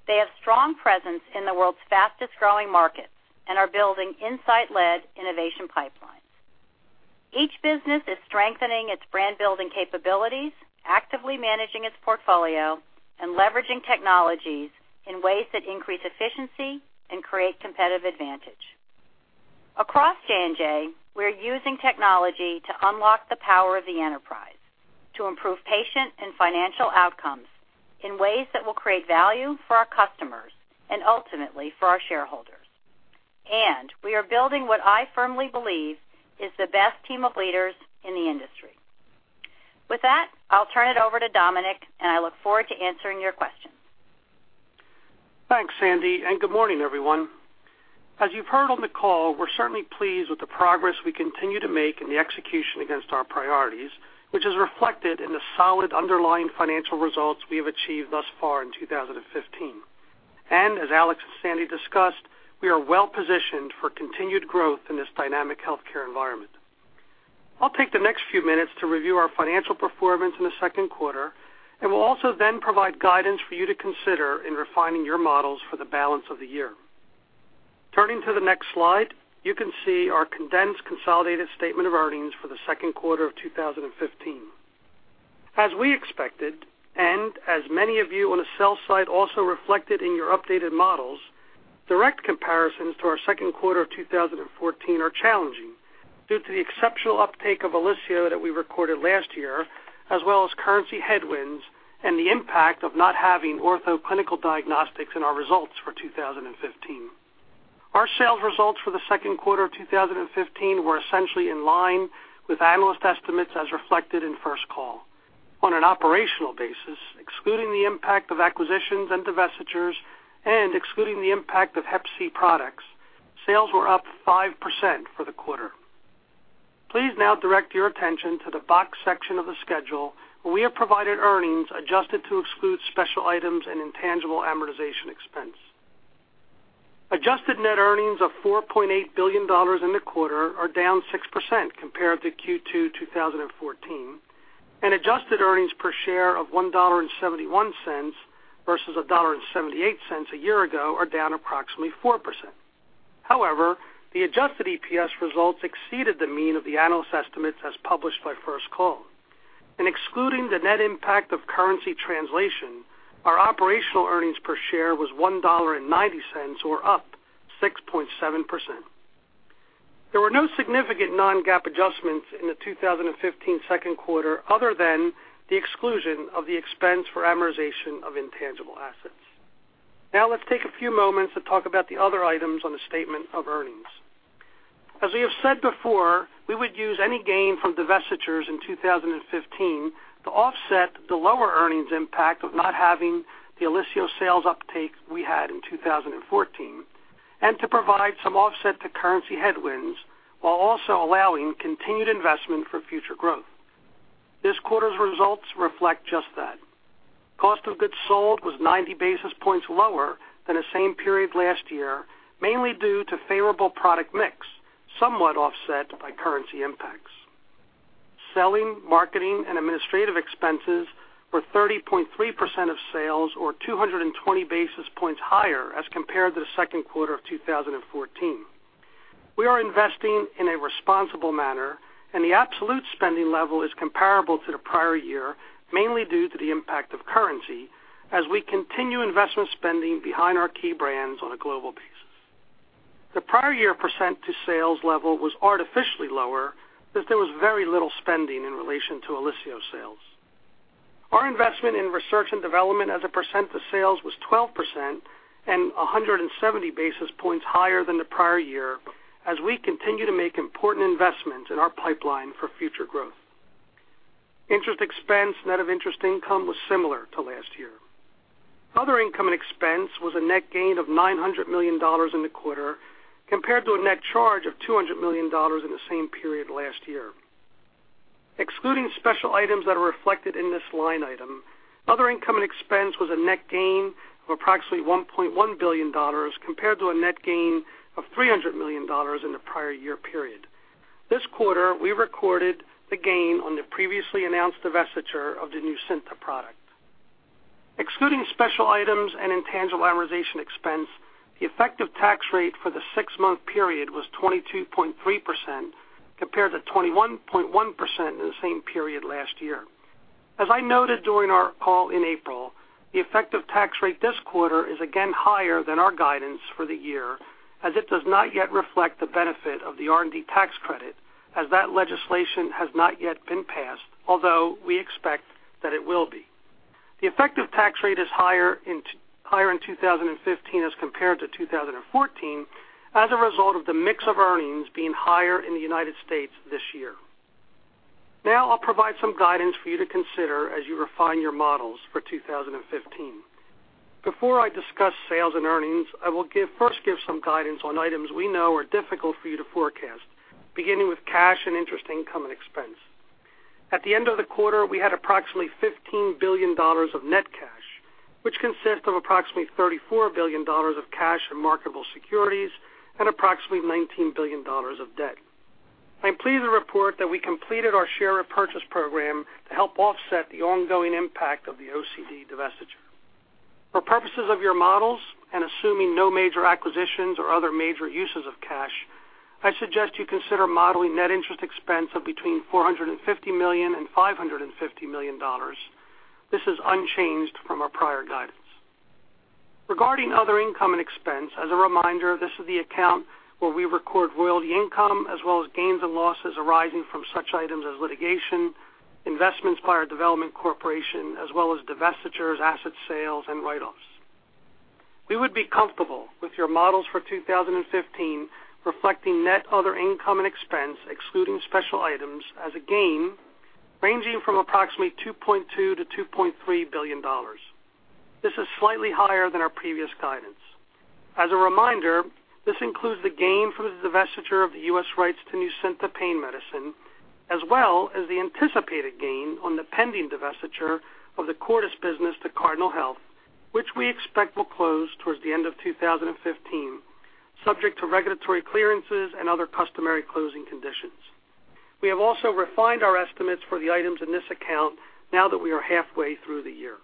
They have strong presence in the world's fastest-growing markets and are building insight-led innovation pipelines. Each business is strengthening its brand-building capabilities, actively managing its portfolio, and leveraging technologies in ways that increase efficiency and create competitive advantage. Across J&J, we are using technology to unlock the power of the enterprise to improve patient and financial outcomes in ways that will create value for our customers and ultimately for our shareholders. We are building what I firmly believe is the best team of leaders in the industry. With that, I'll turn it over to Dominic, and I look forward to answering your questions. Thanks, Sandi, and good morning, everyone. As you've heard on the call, we're certainly pleased with the progress we continue to make and the execution against our priorities, which is reflected in the solid underlying financial results we have achieved thus far in 2015. As Alex and Sandi discussed, we are well-positioned for continued growth in this dynamic healthcare environment. I'll take the next few minutes to review our financial performance in the second quarter, and we'll also provide guidance for you to consider in refining your models for the balance of the year. Turning to the next slide, you can see our condensed consolidated statement of earnings for the second quarter of 2015. As we expected, as many of you on the sell side also reflected in your updated models, direct comparisons to our second quarter of 2014 are challenging due to the exceptional uptake of OLYSIO that we recorded last year, as well as currency headwinds and the impact of not having Ortho Clinical Diagnostics in our results for 2015. Our sales results for the second quarter 2015 were essentially in line with analyst estimates as reflected in First Call. On an operational basis, excluding the impact of acquisitions and divestitures and excluding the impact of Hep C products, sales were up 5% for the quarter. Please now direct your attention to the box section of the schedule, where we have provided earnings adjusted to exclude special items and intangible amortization expense. Adjusted net earnings of $4.8 billion in the quarter are down 6% compared to Q2 2014, and adjusted earnings per share of $1.71 versus $1.78 a year ago are down approximately 4%. However, the adjusted EPS results exceeded the mean of the analyst estimates as published by First Call. Excluding the net impact of currency translation, our operational earnings per share was $1.90, or up 6.7%. There were no significant non-GAAP adjustments in the 2015 second quarter other than the exclusion of the expense for amortization of intangible assets. Let's take a few moments to talk about the other items on the statement of earnings. As we have said before, we would use any gain from divestitures in 2015 to offset the lower earnings impact of not having the OLYSIO sales uptake we had in 2014, and to provide some offset to currency headwinds while also allowing continued investment for future growth. This quarter's results reflect just that. Cost of goods sold was 90 basis points lower than the same period last year, mainly due to favorable product mix, somewhat offset by currency impacts. Selling, marketing, and administrative expenses were 30.3% of sales or 220 basis points higher as compared to the second quarter of 2014. We are investing in a responsible manner, and the absolute spending level is comparable to the prior year, mainly due to the impact of currency as we continue investment spending behind our key brands on a global basis. The prior year percent to sales level was artificially lower as there was very little spending in relation to OLYSIO sales. Our investment in research and development as a percent to sales was 12% and 170 basis points higher than the prior year as we continue to make important investments in our pipeline for future growth. Interest expense, net of interest income was similar to last year. Other income and expense was a net gain of $900 million in the quarter, compared to a net charge of $200 million in the same period last year. Excluding special items that are reflected in this line item, other income and expense was a net gain of approximately $1.1 billion compared to a net gain of $300 million in the prior year period. This quarter, we recorded the gain on the previously announced divestiture of the NUCYNTA product. Excluding special items and intangible amortization expense, the effective tax rate for the six-month period was 22.3% compared to 21.1% in the same period last year. As I noted during our call in April, the effective tax rate this quarter is again higher than our guidance for the year, as it does not yet reflect the benefit of the R&D tax credit, as that legislation has not yet been passed, although we expect that it will be. The effective tax rate is higher in 2015 as compared to 2014 as a result of the mix of earnings being higher in the U.S. this year. I'll provide some guidance for you to consider as you refine your models for 2015. Before I discuss sales and earnings, I will first give some guidance on items we know are difficult for you to forecast, beginning with cash and interest income and expense. At the end of the quarter, we had approximately $15 billion of net cash, which consists of approximately $34 billion of cash and marketable securities and approximately $19 billion of debt. I am pleased to report that we completed our share repurchase program to help offset the ongoing impact of the OCD divestiture. For purposes of your models and assuming no major acquisitions or other major uses of cash, I suggest you consider modeling net interest expense of between $450 million and $550 million. This is unchanged from our prior guidance. Regarding other income and expense, as a reminder, this is the account where we record royalty income as well as gains and losses arising from such items as litigation, investments by our development corporation, as well as divestitures, asset sales and write-offs. We would be comfortable with your models for 2015 reflecting net other income and expense, excluding special items as a gain ranging from approximately $2.2 billion to $2.3 billion. This is slightly higher than our previous guidance. As a reminder, this includes the gain from the divestiture of the U.S. rights to NUCYNTA pain medicine, as well as the anticipated gain on the pending divestiture of the Cordis business to Cardinal Health, which we expect will close towards the end of 2015, subject to regulatory clearances and other customary closing conditions. We have also refined our estimates for the items in this account now that we are halfway through the year.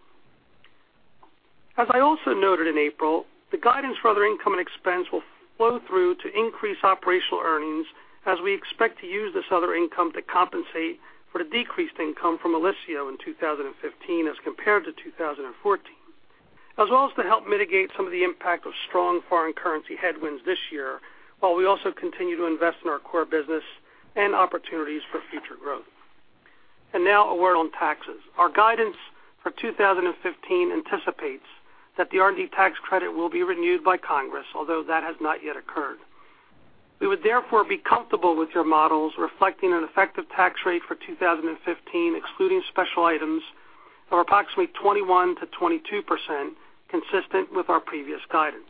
As I also noted in April, the guidance for other income and expense will flow through to increase operational earnings as we expect to use this other income to compensate for the decreased income from OLYSIO in 2015 as compared to 2014, as well as to help mitigate some of the impact of strong foreign currency headwinds this year, while we also continue to invest in our core business and opportunities for future growth. Now a word on taxes. Our guidance for 2015 anticipates that the R&D tax credit will be renewed by Congress, although that has not yet occurred. We would therefore be comfortable with your models reflecting an effective tax rate for 2015, excluding special items, of approximately 21%-22%, consistent with our previous guidance.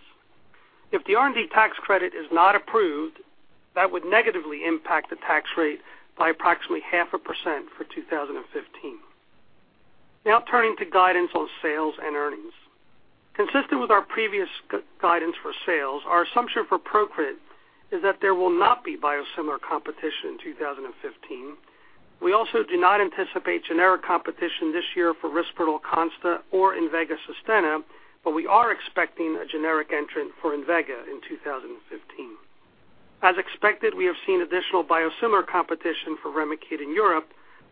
If the R&D tax credit is not approved, that would negatively impact the tax rate by approximately half a percent for 2015. Now turning to guidance on sales and earnings. Consistent with our previous guidance for sales, our assumption for PROCRIT is that there will not be biosimilar competition in 2015. We also do not anticipate generic competition this year for RISPERDAL CONSTA or INVEGA SUSTENNA, but we are expecting a generic entrant for Invega in 2015. As expected, we have seen additional biosimilar competition for REMICADE in Europe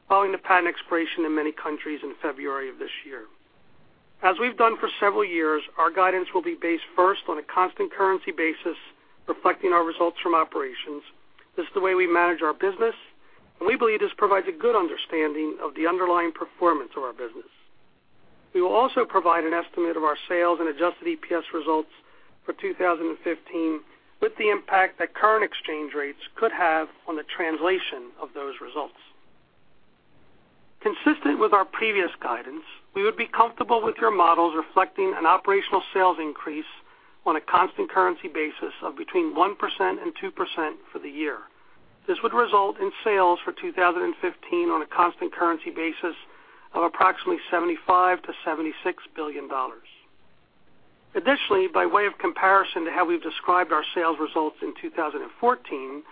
following the patent expiration in many countries in February of this year. As we've done for several years, our guidance will be based first on a constant currency basis, reflecting our results from operations. This is the way we manage our business, and we believe this provides a good understanding of the underlying performance of our business. We will also provide an estimate of our sales and adjusted EPS results for 2015 with the impact that current exchange rates could have on the translation of those results. Consistent with our previous guidance, we would be comfortable with your models reflecting an operational sales increase on a constant currency basis of between 1% and 2% for the year. This would result in sales for 2015 on a constant currency basis of approximately $75 billion to $76 billion. Additionally, by way of comparison to how we've described our sales results in 2014,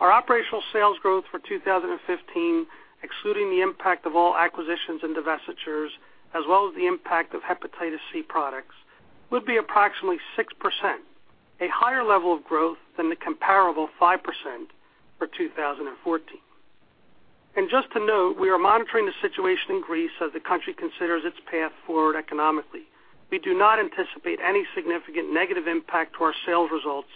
our operational sales growth for 2015, excluding the impact of all acquisitions and divestitures, as well as the impact of hepatitis C products, would be approximately 6%, a higher level of growth than the comparable 5% for 2014. Just to note, we are monitoring the situation in Greece as the country considers its path forward economically. We do not anticipate any significant negative impact to our sales results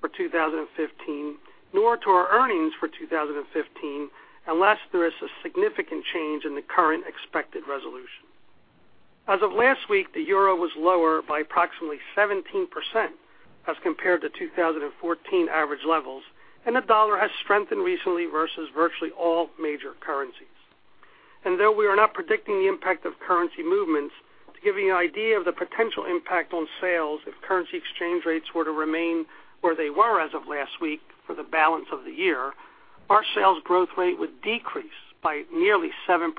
for 2015, nor to our earnings for 2015, unless there is a significant change in the current expected resolution. As of last week, the euro was lower by approximately 17% as compared to 2014 average levels. The dollar has strengthened recently versus virtually all major currencies. Though we are not predicting the impact of currency movements, to give you an idea of the potential impact on sales if currency exchange rates were to remain where they were as of last week for the balance of the year, our sales growth rate would decrease by nearly 7%,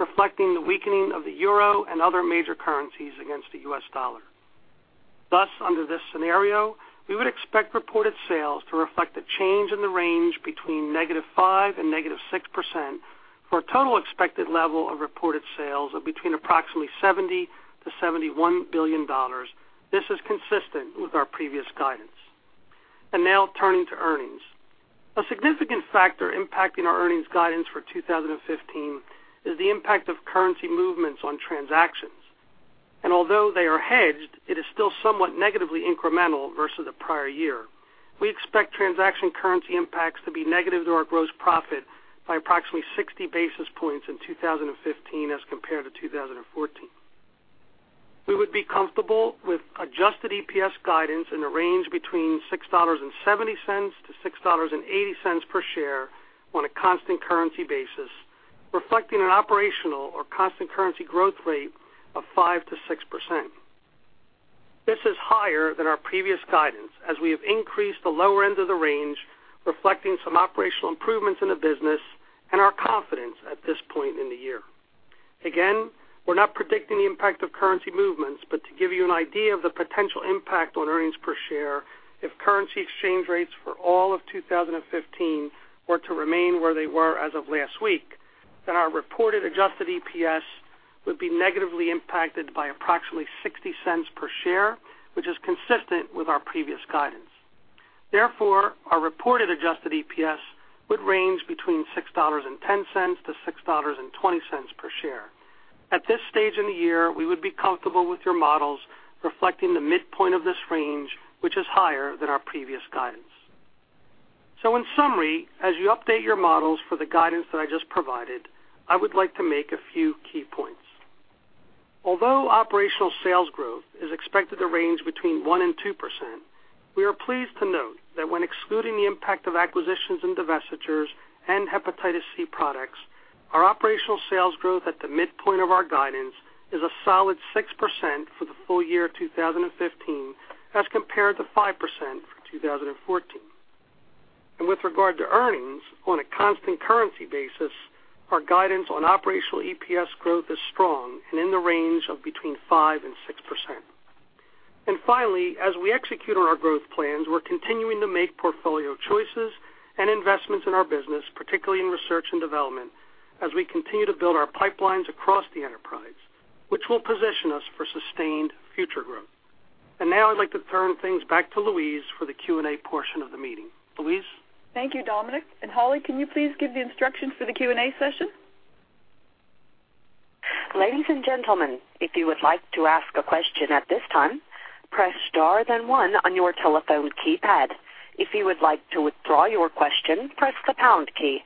reflecting the weakening of the euro and other major currencies against the US dollar. Thus, under this scenario, we would expect reported sales to reflect a change in the range between negative 5% and negative 6%, for a total expected level of reported sales of between approximately $70 billion to $71 billion. This is consistent with our previous guidance. Now turning to earnings. A significant factor impacting our earnings guidance for 2015 is the impact of currency movements on transactions. Although they are hedged, it is still somewhat negatively incremental versus the prior year. We expect transaction currency impacts to be negative to our gross profit by approximately 60 basis points in 2015 as compared to 2014. We would be comfortable with adjusted EPS guidance in the range between $6.70 to $6.80 per share on a constant currency basis, reflecting an operational or constant currency growth rate of 5% to 6%. This is higher than our previous guidance, as we have increased the lower end of the range, reflecting some operational improvements in the business and our confidence at this point in the year. Again, we're not predicting the impact of currency movements, to give you an idea of the potential impact on earnings per share, if currency exchange rates for all of 2015 were to remain where they were as of last week, our reported adjusted EPS would be negatively impacted by approximately $0.60 per share, which is consistent with our previous guidance. Therefore, our reported adjusted EPS would range between $6.10 to $6.20 per share. At this stage in the year, we would be comfortable with your models reflecting the midpoint of this range, which is higher than our previous guidance. In summary, as you update your models for the guidance that I just provided, I would like to make a few key points. Although operational sales growth is expected to range between 1% and 2%, we are pleased to note that when excluding the impact of acquisitions and divestitures and hepatitis C products, our operational sales growth at the midpoint of our guidance is a solid 6% for the full year 2015, as compared to 5% for 2014. With regard to earnings on a constant currency basis, our guidance on operational EPS growth is strong and in the range of between 5% and 6%. Finally, as we execute on our growth plans, we're continuing to make portfolio choices and investments in our business, particularly in research and development, as we continue to build our pipelines across the enterprise, which will position us for sustained future growth. Now I'd like to turn things back to Louise for the Q&A portion of the meeting. Louise? Thank you, Dominic. Holly, can you please give the instructions for the Q&A session? Ladies and gentlemen, if you would like to ask a question at this time, press star then one on your telephone keypad. If you would like to withdraw your question, press the pound key.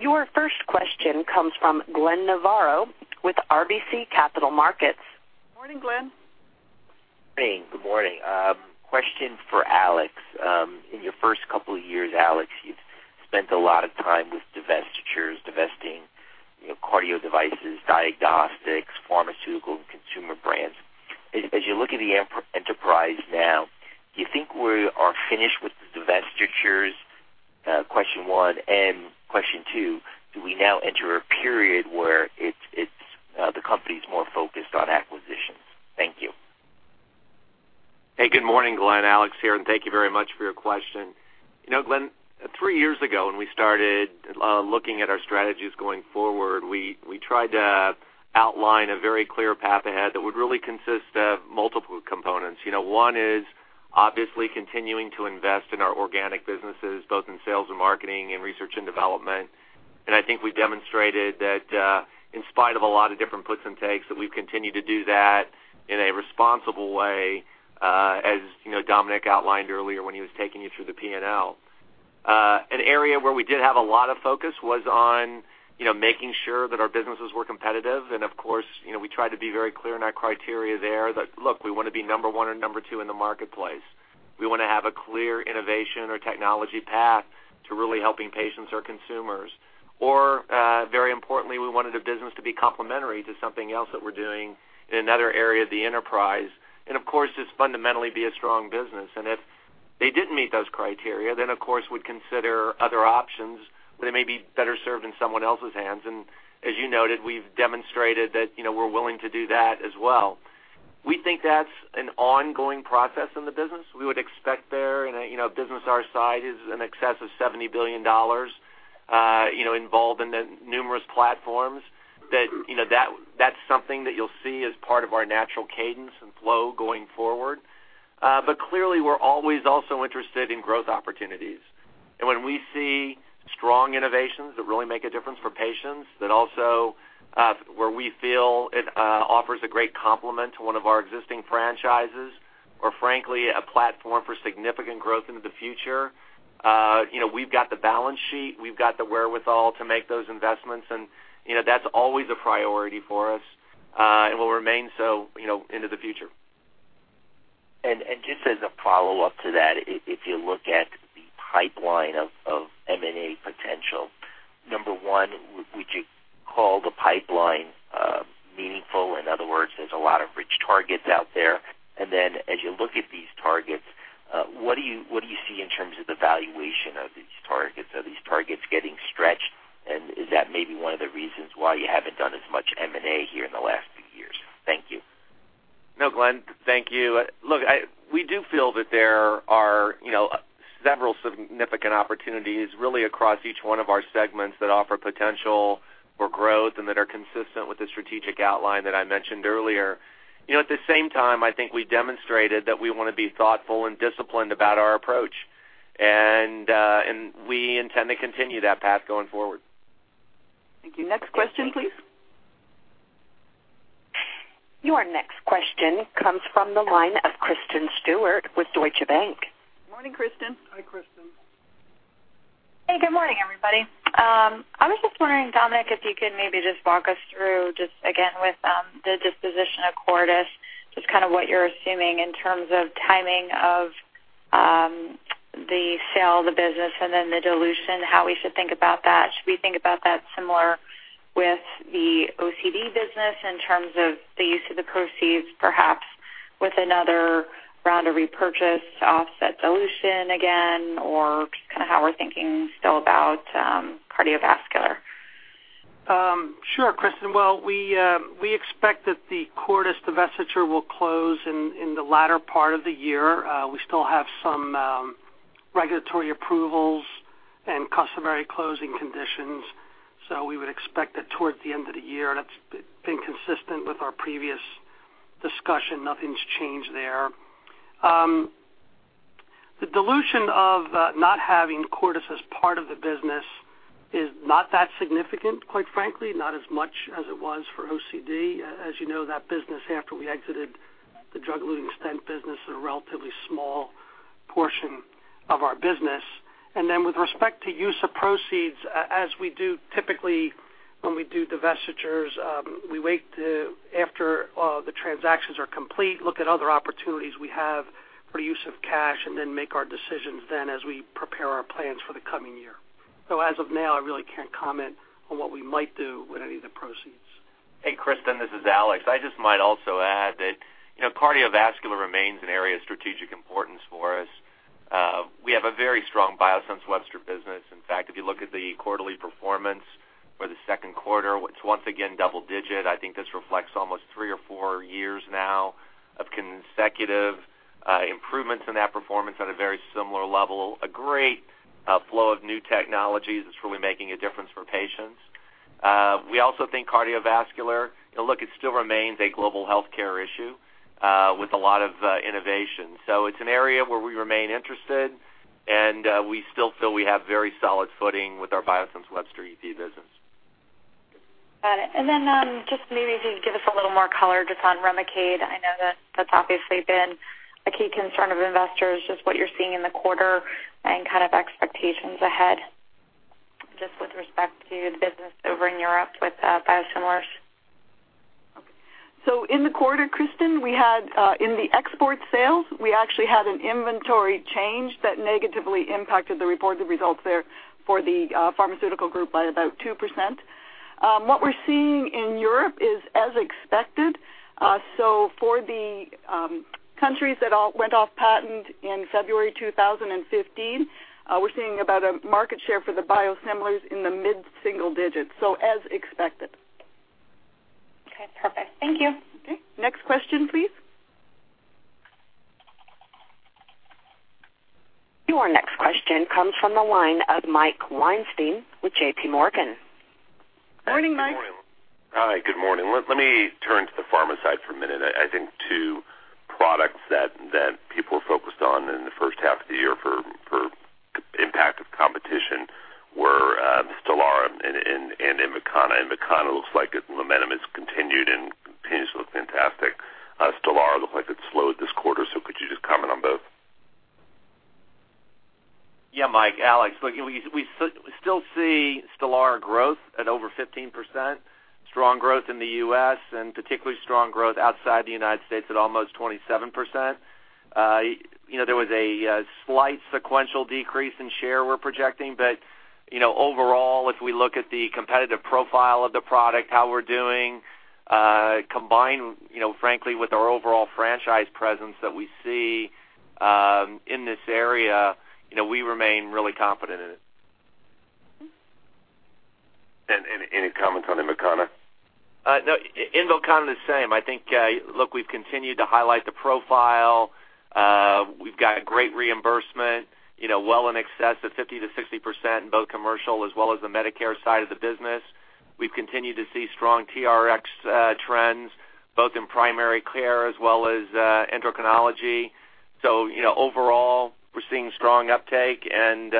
Your first question comes from Glenn Novarro with RBC Capital Markets. Morning, Glenn. Hey, good morning. Question for Alex. In your first couple of years, Alex, you've spent a lot of time with divestitures, divesting cardio devices, diagnostics, pharmaceutical, and consumer brands. As you look at the enterprise now, do you think we are finished with the divestitures? Question one and question two, do we now enter a period where the company's more focused on acquisitions? Thank you. Hey, good morning, Glenn. Alex here, and thank you very much for your question. Glenn, three years ago, when we started looking at our strategies going forward, we tried to outline a very clear path ahead that would really consist of multiple components. One is obviously continuing to invest in our organic businesses, both in sales and marketing and research and development. I think we demonstrated that in spite of a lot of different puts and takes, that we've continued to do that in a responsible way as Dominic outlined earlier when he was taking you through the P&L. An area where we did have a lot of focus was on making sure that our businesses were competitive. Of course, we tried to be very clear in our criteria there that, look, we want to be number one or number two in the marketplace. We want to have a clear innovation or technology path to really helping patients or consumers. Very importantly, we wanted a business to be complementary to something else that we're doing in another area of the enterprise. Of course, just fundamentally be a strong business. If they didn't meet those criteria, then, of course, we'd consider other options where they may be better served in someone else's hands. As you noted, we've demonstrated that we're willing to do that as well. We think that's an ongoing process in the business. We would expect there, a business our size is in excess of $70 billion involved in the numerous platforms that's something that you'll see as part of our natural cadence and flow going forward. Clearly, we're always also interested in growth opportunities. When we see strong innovations that really make a difference for patients, that also where we feel it offers a great complement to one of our existing franchises or frankly, a platform for significant growth into the future. We've got the balance sheet. We've got the wherewithal to make those investments, that's always a priority for us and will remain so into the future. Just as a follow-up to that, if you look at the pipeline of M&A potential, number one, would you call the pipeline meaningful? In other words, there's a lot of rich targets out there. Then as you look at these targets, what do you see in terms of the valuation of these targets? Are these targets getting stretched? Is that maybe one of the reasons why you haven't done as much M&A here in the last few years? Thank you. No, Glenn. Thank you. Look, we do feel that there are several significant opportunities really across each one of our segments that offer potential for growth and that are consistent with the strategic outline that I mentioned earlier. At the same time, I think we demonstrated that we want to be thoughtful and disciplined about our approach. We intend to continue that path going forward. Thank you. Next question, please. Your next question comes from the line of Kristen Stewart with Deutsche Bank. Morning, Kristen. Hi, Kristen. Hey, good morning, everybody. I was just wondering, Dominic, if you could maybe just walk us through just again with the disposition of Cordis, just kind of what you're assuming in terms of timing of the sale of the business and then the dilution, how we should think about that. Should we think about that similar with the OCD business in terms of the use of the proceeds, perhaps with another round of repurchase to offset dilution again, or just kind of how we're thinking still about cardiovascular? Sure, Kristen. Well, we expect that the Cordis divestiture will close in the latter part of the year. We still have some regulatory approvals and customary closing conditions. We would expect that toward the end of the year, that's been consistent with our previous discussion. Nothing's changed there. The dilution of not having Cordis as part of the business is not that significant, quite frankly, not as much as it was for OCD. As you know, that business after we exited the drug-eluting stent business is a relatively small portion of our business. With respect to use of proceeds, as we do typically when we do divestitures, we wait till after the transactions are complete, look at other opportunities we have for use of cash, and then make our decisions then as we prepare our plans for the coming year. As of now, I really can't comment on what we might do with any of the proceeds. Hey, Kristen, this is Alex. I just might also add that cardiovascular remains an area of strategic importance for us. We have a very strong Biosense Webster business. In fact, if you look at the quarterly performance for the second quarter, it's once again double digit. I think this reflects almost three or four years now of consecutive improvements in that performance at a very similar level. A great flow of new technologies that's really making a difference for patients. We also think cardiovascular, look, it still remains a global healthcare issue with a lot of innovation. It's an area where we remain interested, and we still feel we have very solid footing with our Biosense Webster EP business. Got it. Just maybe if you could give us a little more color just on Remicade. I know that that's obviously been a key concern of investors, just what you're seeing in the quarter and expectations ahead just with respect to the business over in Europe with biosimilars. In the quarter, Kristen, in the export sales, we actually had an inventory change that negatively impacted the reported results there for the pharmaceutical group by about 2%. What we're seeing in Europe is as expected. For the countries that went off patent in February 2015, we're seeing about a market share for the biosimilars in the mid-single digits, as expected. Okay, perfect. Thank you. Okay. Next question, please. Your next question comes from the line of Mike Weinstein with JP Morgan. Morning, Mike. Hi, good morning. Let me turn to the pharma side for a minute. I think two products that people focused on in the first half of the year for impact of competition were STELARA and INVOKANA. INVOKANA looks like its momentum has continued and continues to look fantastic. STELARA looked like it slowed this quarter. Could you just comment on both? Yeah, Mike, Alex. Look, we still see STELARA growth at over 15%, strong growth in the U.S. and particularly strong growth outside the United States at almost 27%. There was a slight sequential decrease in share we're projecting, but overall, if we look at the competitive profile of the product, how we're doing, combined frankly with our overall franchise presence that we see in this area, we remain really confident in it. Any comments on INVOKANA? INVOKANA, the same. I think, look, we've continued to highlight the profile. We've got great reimbursement, well in excess of 50%-60% in both commercial as well as the Medicare side of the business. We've continued to see strong TRX trends, both in primary care as well as endocrinology. Overall, we're seeing strong uptake and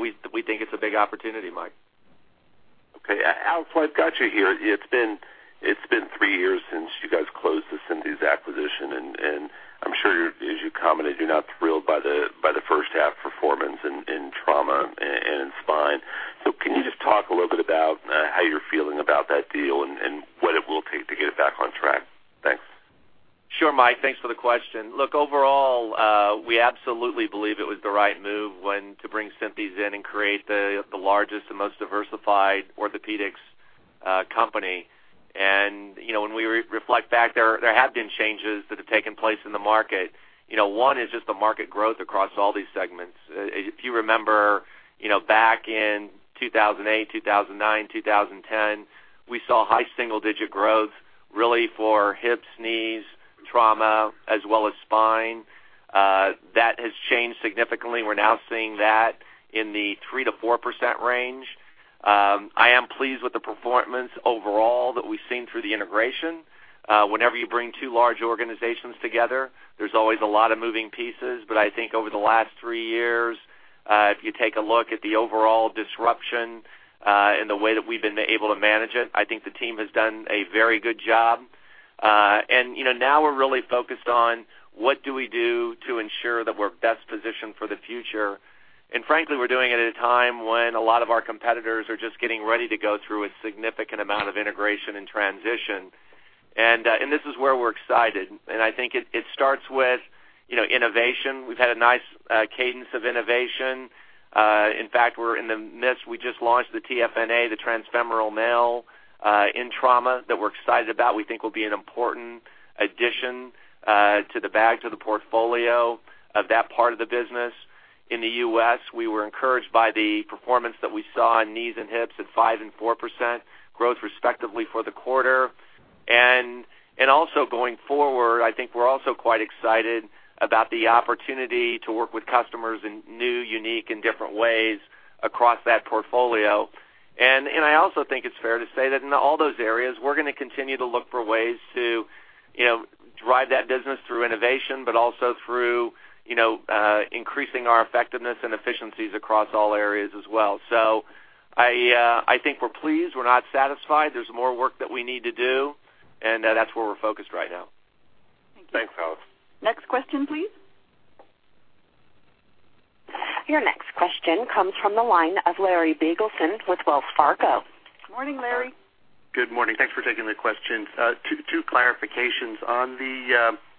we think it's a big opportunity, Mike. Okay. Alex, while I've got you here, it's been three years since you guys closed the Synthes acquisition. I'm sure as you commented, you're not thrilled by the first half performance in trauma and spine. Can you just talk a little bit about how you're feeling about that deal and what it will take to get it back on track? Thanks. Sure, Mike. Thanks for the question. Look, overall, we absolutely believe it was the right move when to bring Synthes in and create the largest and most diversified orthopedics company. When we reflect back, there have been changes that have taken place in the market. One is just the market growth across all these segments. If you remember, back in 2008, 2009, 2010, we saw high single-digit growth really for hips, knees, trauma, as well as spine. That has changed significantly. We're now seeing that in the 3%-4% range. I am pleased with the performance overall that we've seen through the integration. Whenever you bring two large organizations together, there's always a lot of moving pieces. I think over the last three years, if you take a look at the overall disruption and the way that we've been able to manage it, I think the team has done a very good job. Now we're really focused on what do we do to ensure that we're best positioned for the future. Frankly, we're doing it at a time when a lot of our competitors are just getting ready to go through a significant amount of integration and transition. This is where we're excited, and I think it starts with innovation. We've had a nice cadence of innovation. In fact, we're in the midst, we just launched the TFNA, the transfemoral nail in trauma that we're excited about. We think will be an important addition to the bags of the portfolio of that part of the business. In the U.S., we were encouraged by the performance that we saw in knees and hips at 5% and 4% growth respectively for the quarter. Also going forward, I think we're also quite excited about the opportunity to work with customers in new, unique, and different ways across that portfolio. I also think it's fair to say that in all those areas, we're going to continue to look for ways to drive that business through innovation, but also through increasing our effectiveness and efficiencies across all areas as well. I think we're pleased. We're not satisfied. There's more work that we need to do, and that's where we're focused right now. Thank you. Thanks, Alex. Next question, please. Your next question comes from the line of Larry Biegelsen with Wells Fargo. Morning, Larry. Good morning. Thanks for taking the questions. Two clarifications on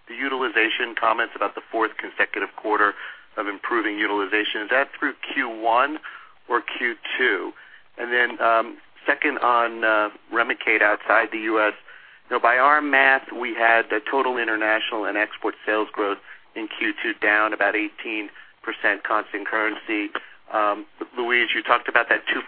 the utilization comments about the fourth consecutive quarter of improving utilization. Is that through Q1 or Q2? On REMICADE outside the U.S., by our math, we had the total international and export sales growth in Q2 down about 18% constant currency. Louise, you talked about that 2%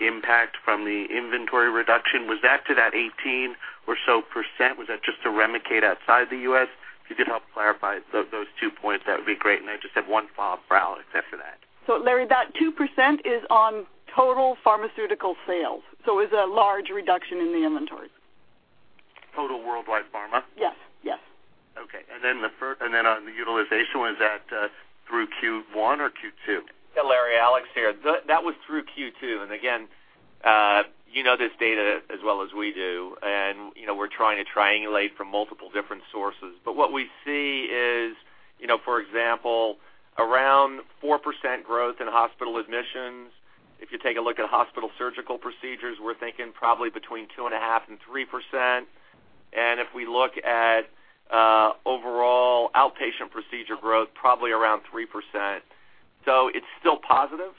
impact from the inventory reduction. Was that to that 18% or so? Was that just to REMICADE outside the U.S.? If you could help clarify those two points, that would be great. I just have one follow-up for Alex after that. Larry, that 2% is on total pharmaceutical sales, so is a large reduction in the inventories. Total worldwide pharma? Yes. On the utilization, was that through Q1 or Q2? Yeah, Larry, Alex here. That was through Q2. You know this data as well as we do, and we're trying to triangulate from multiple different sources. What we see is, for example, around 4% growth in hospital admissions. If you take a look at hospital surgical procedures, we're thinking probably between 2.5%-3%. If we look at overall outpatient procedure growth, probably around 3%. It's still positive.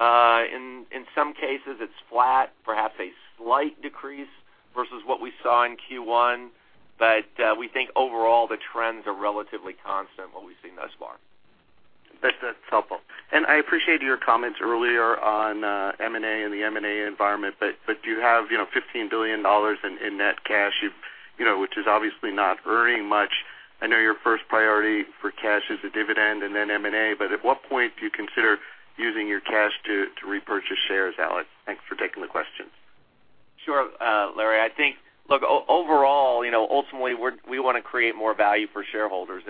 In some cases, it's flat, perhaps a slight decrease versus what we saw in Q1. We think overall, the trends are relatively constant in what we've seen thus far. That's helpful. I appreciate your comments earlier on M&A and the M&A environment. You have $15 billion in net cash, which is obviously not earning much. I know your first priority for cash is a dividend and then M&A. At what point do you consider using your cash to repurchase shares, Alex? Thanks for taking the question. Sure. Larry, I think, look, overall, ultimately, we want to create more value for shareholders.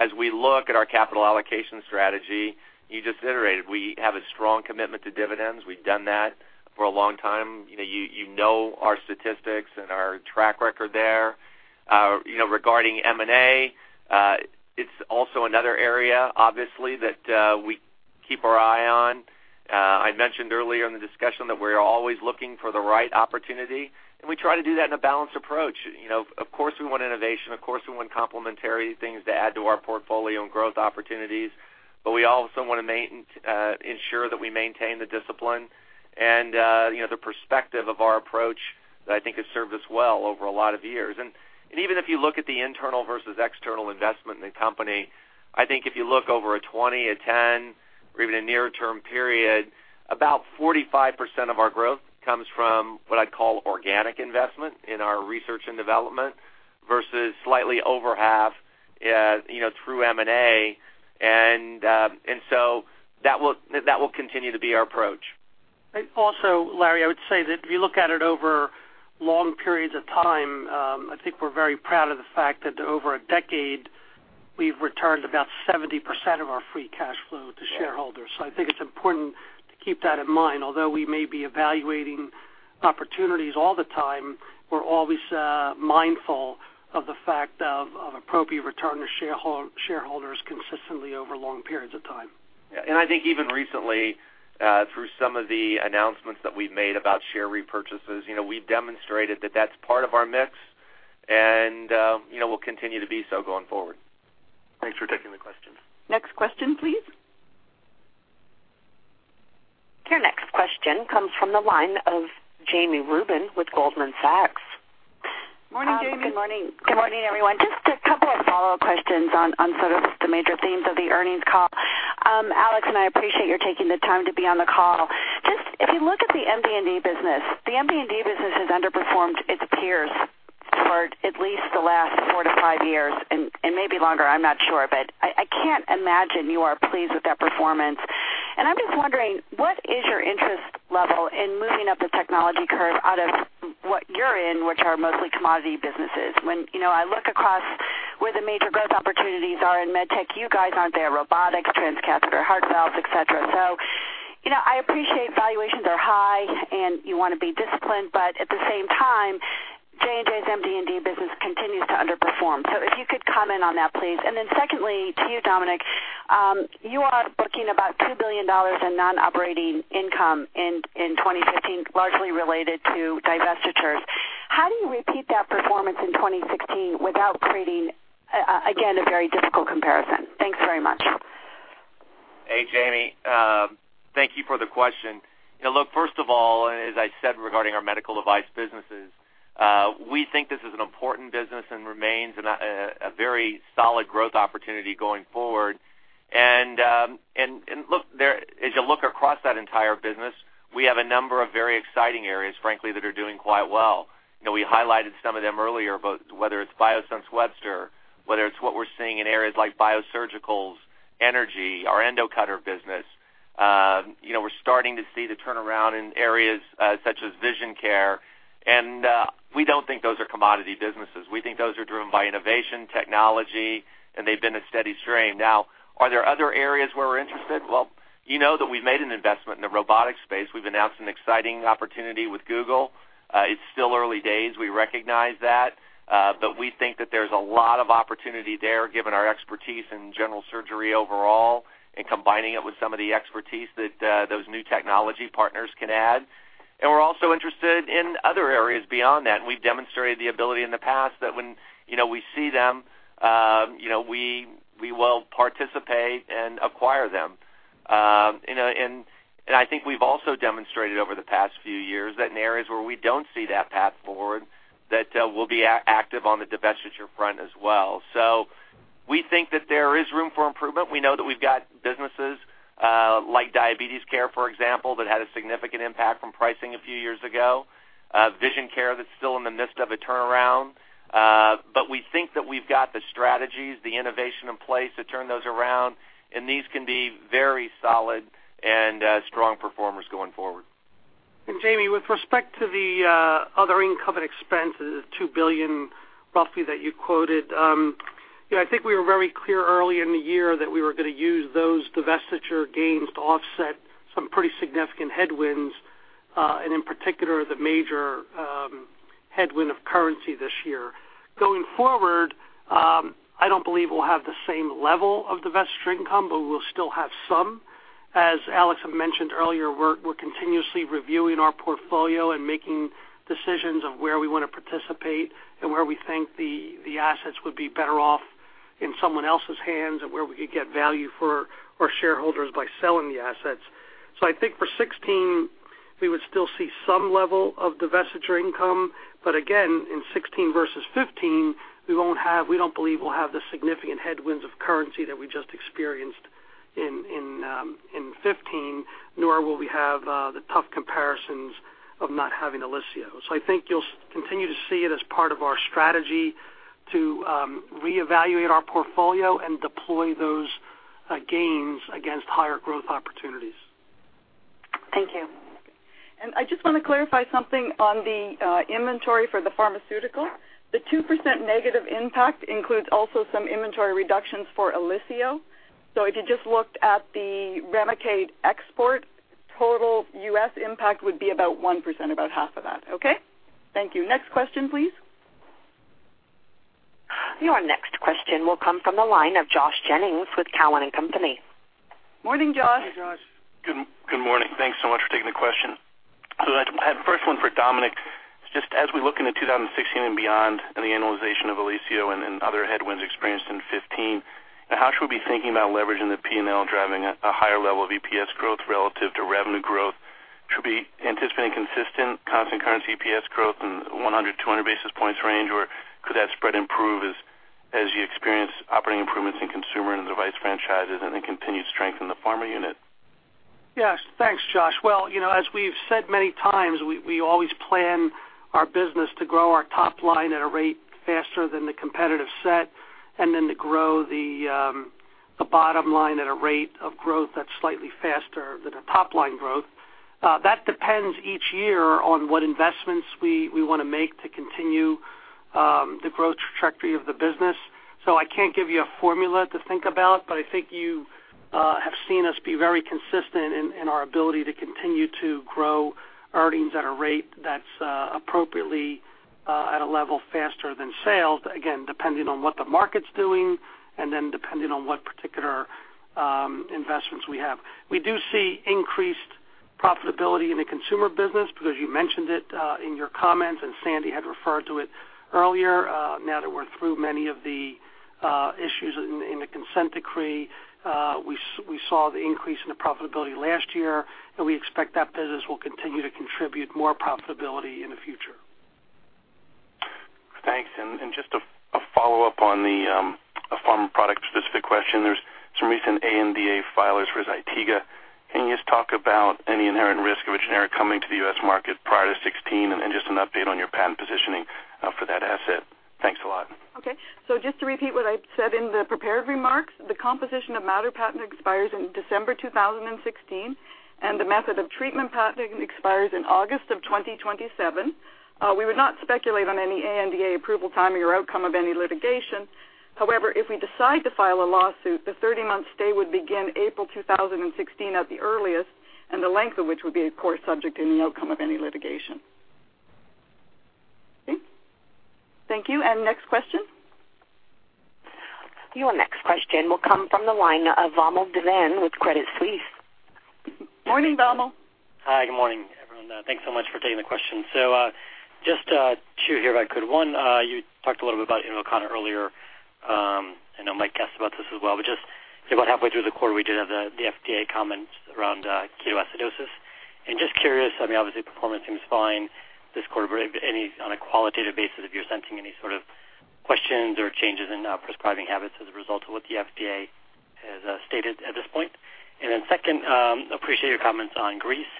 As we look at our capital allocation strategy, you just iterated, we have a strong commitment to dividends. We've done that for a long time. You know our statistics and our track record there. Regarding M&A, it's also another area, obviously, that we keep our eye on. I mentioned earlier in the discussion that we're always looking for the right opportunity, and we try to do that in a balanced approach. Of course, we want innovation. Of course, we want complementary things to add to our portfolio and growth opportunities, but we also want to ensure that we maintain the discipline and the perspective of our approach that I think has served us well over a lot of years. Even if you look at the internal versus external investment in the company, I think if you look over a 20, a 10, or even a near-term period, about 45% of our growth comes from what I'd call organic investment in our research and development versus slightly over half through M&A. That will continue to be our approach. Also, Larry, I would say that if you look at it over long periods of time, I think we're very proud of the fact that over a decade, we've returned about 70% of our free cash flow to shareholders. I think it's important to keep that in mind. Although we may be evaluating opportunities all the time, we're always mindful of the fact of appropriate return to shareholders consistently over long periods of time. Yeah. I think even recently, through some of the announcements that we've made about share repurchases, we demonstrated that that's part of our mix and will continue to be so going forward. Thanks for taking the question. Next question, please. Your next question comes from the line of Jami Rubin with Goldman Sachs. Morning, Jami. Good morning. Good morning, everyone. Just a couple of follow-up questions on sort of the major themes of the earnings call. Alex. I appreciate your taking the time to be on the call. Just if you look at the MD&D business, the MD&D business has underperformed its peers for at least the last four to five years, and maybe longer, I'm not sure. I can't imagine you are pleased with that performance. I'm just wondering, what is your interest level in moving up the technology curve out of what you're in, which are mostly commodity businesses? When I look across where the major growth opportunities are in med tech, you guys aren't there, robotics, transcatheter heart valves, et cetera. I appreciate valuations are high and you want to be disciplined, but at the same time, J&J's MD&D business continues to underperform. If you could comment on that, please. Secondly, to you, Dominic, you are booking about $2 billion in non-operating income in 2015, largely related to divestitures. How do you repeat that performance in 2016 without creating, again, a very difficult comparison? Thanks very much. Hey, Jami. Thank you for the question. Look, first of all, as I said regarding our medical device businesses, we think this is an important business and remains a very solid growth opportunity going forward. As you look across that entire business, we have a number of very exciting areas, frankly, that are doing quite well. We highlighted some of them earlier, but whether it's Biosense Webster, whether it's what we're seeing in areas like Biosurgical's energy, our Endocutter business. We're starting to see the turnaround in areas such as vision care, and we don't think those are commodity businesses. We think those are driven by innovation, technology, and they've been a steady stream. Are there other areas where we're interested? Well, you know that we've made an investment in the robotics space. We've announced an exciting opportunity with Google. It's still early days, we recognize that, but we think that there's a lot of opportunity there given our expertise in general surgery overall and combining it with some of the expertise that those new technology partners can add. We're also interested in other areas beyond that, and we've demonstrated the ability in the past that when we see them, we will participate and acquire them. I think we've also demonstrated over the past few years that in areas where we don't see that path forward, that we'll be active on the divestiture front as well. We think that there is room for improvement. We know that we've got businesses, like diabetes care, for example, that had a significant impact from pricing a few years ago, vision care that's still in the midst of a turnaround. We think that we've got the strategies, the innovation in place to turn those around, and these can be very solid and strong performers going forward. Jami, with respect to the other income and expenses, $2 billion roughly that you quoted. I think we were very clear early in the year that we were going to use those divestiture gains to offset some pretty significant headwinds, and in particular, the major headwind of currency this year. Going forward, I don't believe we'll have the same level of divestiture income, but we'll still have some. As Alex had mentioned earlier, we're continuously reviewing our portfolio and making decisions of where we want to participate and where we think the assets would be better off in someone else's hands and where we could get value for our shareholders by selling the assets. I think for 2016, we would still see some level of divestiture income. Again, in 2016 versus 2015, we don't believe we'll have the significant headwinds of currency that we just experienced in 2015, nor will we have the tough comparisons of not having OLYSIO. I think you'll continue to see it as part of our strategy to reevaluate our portfolio and deploy those gains against higher growth opportunities. Thank you. I just want to clarify something on the inventory for the pharmaceutical. The 2% negative impact includes also some inventory reductions for OLYSIO. If you just looked at the REMICADE export, total U.S. impact would be about 1%, about half of that, okay? Thank you. Next question, please. Your next question will come from the line of Josh Jennings with Cowen and Company. Morning, Josh. Hey, Josh. Good morning. Thanks so much for taking the question. I have first one for Dominic. Just as we look into 2016 and beyond and the annualization of OLYSIO and other headwinds experienced in 2015, how should we be thinking about leveraging the P&L, driving a higher level of EPS growth relative to revenue growth? Should we be anticipating consistent constant currency EPS growth in 100, 200 basis points range, or could that spread improve as you experience operating improvements in Consumer and the device franchises and continued strength in the pharma unit? Yes. Thanks, Josh. As we've said many times, we always plan our business to grow our top line at a rate faster than the competitive set, to grow the bottom line at a rate of growth that's slightly faster than the top line growth. That depends each year on what investments we want to make to continue the growth trajectory of the business. I can't give you a formula to think about, but I think you have seen us be very consistent in our ability to continue to grow earnings at a rate that's appropriately at a level faster than sales, again, depending on what the market's doing depending on what particular investments we have. We do see increased profitability in the Consumer business because you mentioned it in your comments, Sandi had referred to it earlier. Now that we're through many of the issues in the consent decree, we saw the increase in the profitability last year, and we expect that business will continue to contribute more profitability in the future. Thanks. Just a follow-up on the pharma product specific question. There is some recent ANDA filers for ZYTIGA. Can you just talk about any inherent risk of a generic coming to the U.S. market prior to 2016, and then just an update on your patent positioning for that asset? Thanks a lot. Okay. Just to repeat what I said in the prepared remarks, the composition of matter patent expires in December 2016, and the method of treatment patent expires in August of 2027. We would not speculate on any ANDA approval timing or outcome of any litigation. However, if we decide to file a lawsuit, the 30-month stay would begin April 2016 at the earliest, and the length of which would be, of course, subject to the outcome of any litigation. Okay. Thank you. Next question. Your next question will come from the line of Vamil Divan with Credit Suisse. Morning, Vamil. Hi. Good morning, everyone. Thanks so much for taking the question. Just two here if I could. One, you talked a little bit about INVOKANA earlier. I know Mike Weinstein asked about this as well, but just about halfway through the quarter, we did have the FDA comment around ketoacidosis. Just curious, I mean, obviously performance seems fine this quarter, but on a qualitative basis, if you're sensing any sort of questions or changes in prescribing habits as a result of what the FDA has stated at this point. Second, appreciate your comments on Greece.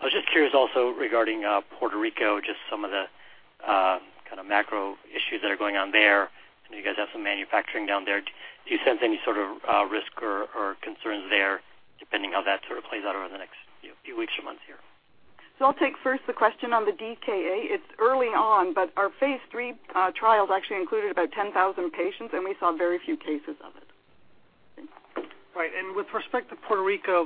I was just curious also regarding Puerto Rico, just some of the kind of macro issues that are going on there. I know you guys have some manufacturing down there. Do you sense any sort of risk or concerns there, depending how that sort of plays out over the next few weeks or months here? I'll take first the question on the DKA. It's early on, but our phase III trials actually included about 10,000 patients, and we saw very few cases of it. Right. With respect to Puerto Rico,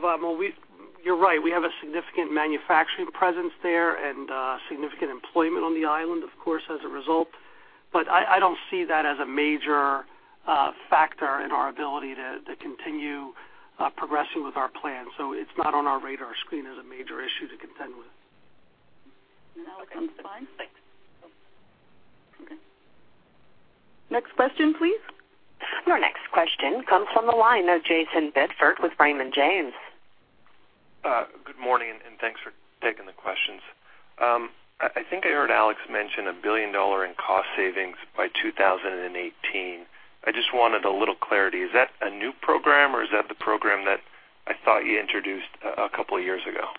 you're right, we have a significant manufacturing presence there and significant employment on the island, of course, as a result. I don't see that as a major factor in our ability to continue progressing with our plan. It's not on our radar screen as a major issue to contend with. Now it comes to Mike. Thanks. Okay. Next question, please. Your next question comes from the line of Jayson Bedford with Raymond James. Good morning. Thanks for taking the questions. I think I heard Alex mention a $1 billion in cost savings by 2018. I just wanted a little clarity. Is that a new program, or is that the program that I thought you introduced a couple of years ago?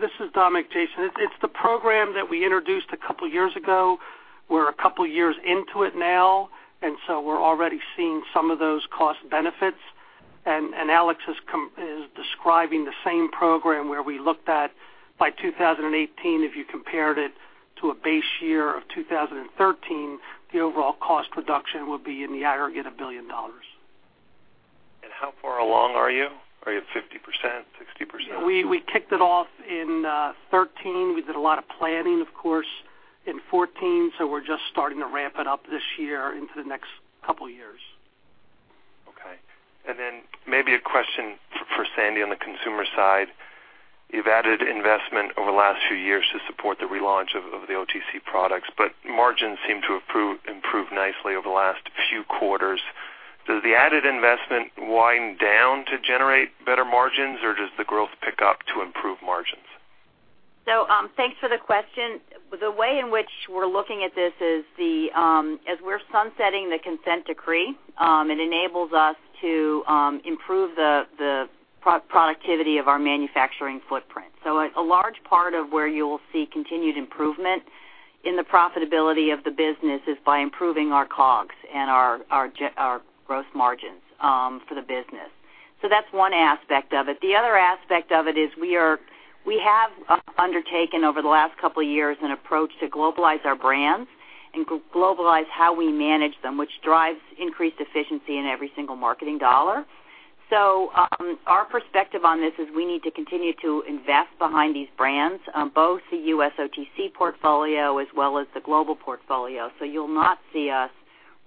This is Dominic, Jayson. It's the program that we introduced a couple of years ago. We're a couple years into it now. We're already seeing some of those cost benefits. Alex is describing the same program where we looked at by 2018, if you compared it to a base year of 2013, the overall cost reduction would be in the aggregate of $1 billion. How far along are you? Are you at 50%, 60%? We kicked it off in 2013. We did a lot of planning, of course, in 2014. We're just starting to ramp it up this year into the next couple of years. Okay. Maybe a question for Sandi on the consumer side. You've added investment over the last few years to support the relaunch of the OTC products. Margins seem to have improved nicely over the last few quarters. Does the added investment wind down to generate better margins, or does the growth pick up to improve margins? Thanks for the question. The way in which we're looking at this is as we're sunsetting the consent decree, it enables us to improve the productivity of our manufacturing footprint. A large part of where you'll see continued improvement in the profitability of the business is by improving our COGS and our gross margins for the business. That's one aspect of it. The other aspect of it is we have undertaken over the last couple of years an approach to globalize our brands and globalize how we manage them, which drives increased efficiency in every single marketing $. Our perspective on this is we need to continue to invest behind these brands, both the U.S. OTC portfolio as well as the global portfolio. You'll not see us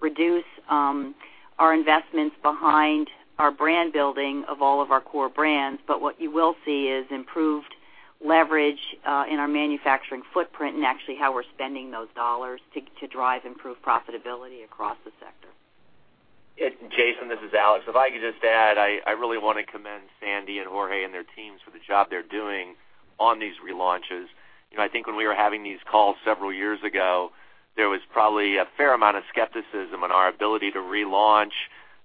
reduce our investments behind our brand building of all of our core brands. What you will see is improved leverage in our manufacturing footprint and actually how we're spending those $ to drive improved profitability across the sector. Jayson, this is Alex. If I could just add, I really want to commend Sandi and Jorge and their teams for the job they're doing on these relaunches. I think when we were having these calls several years ago, there was probably a fair amount of skepticism on our ability to relaunch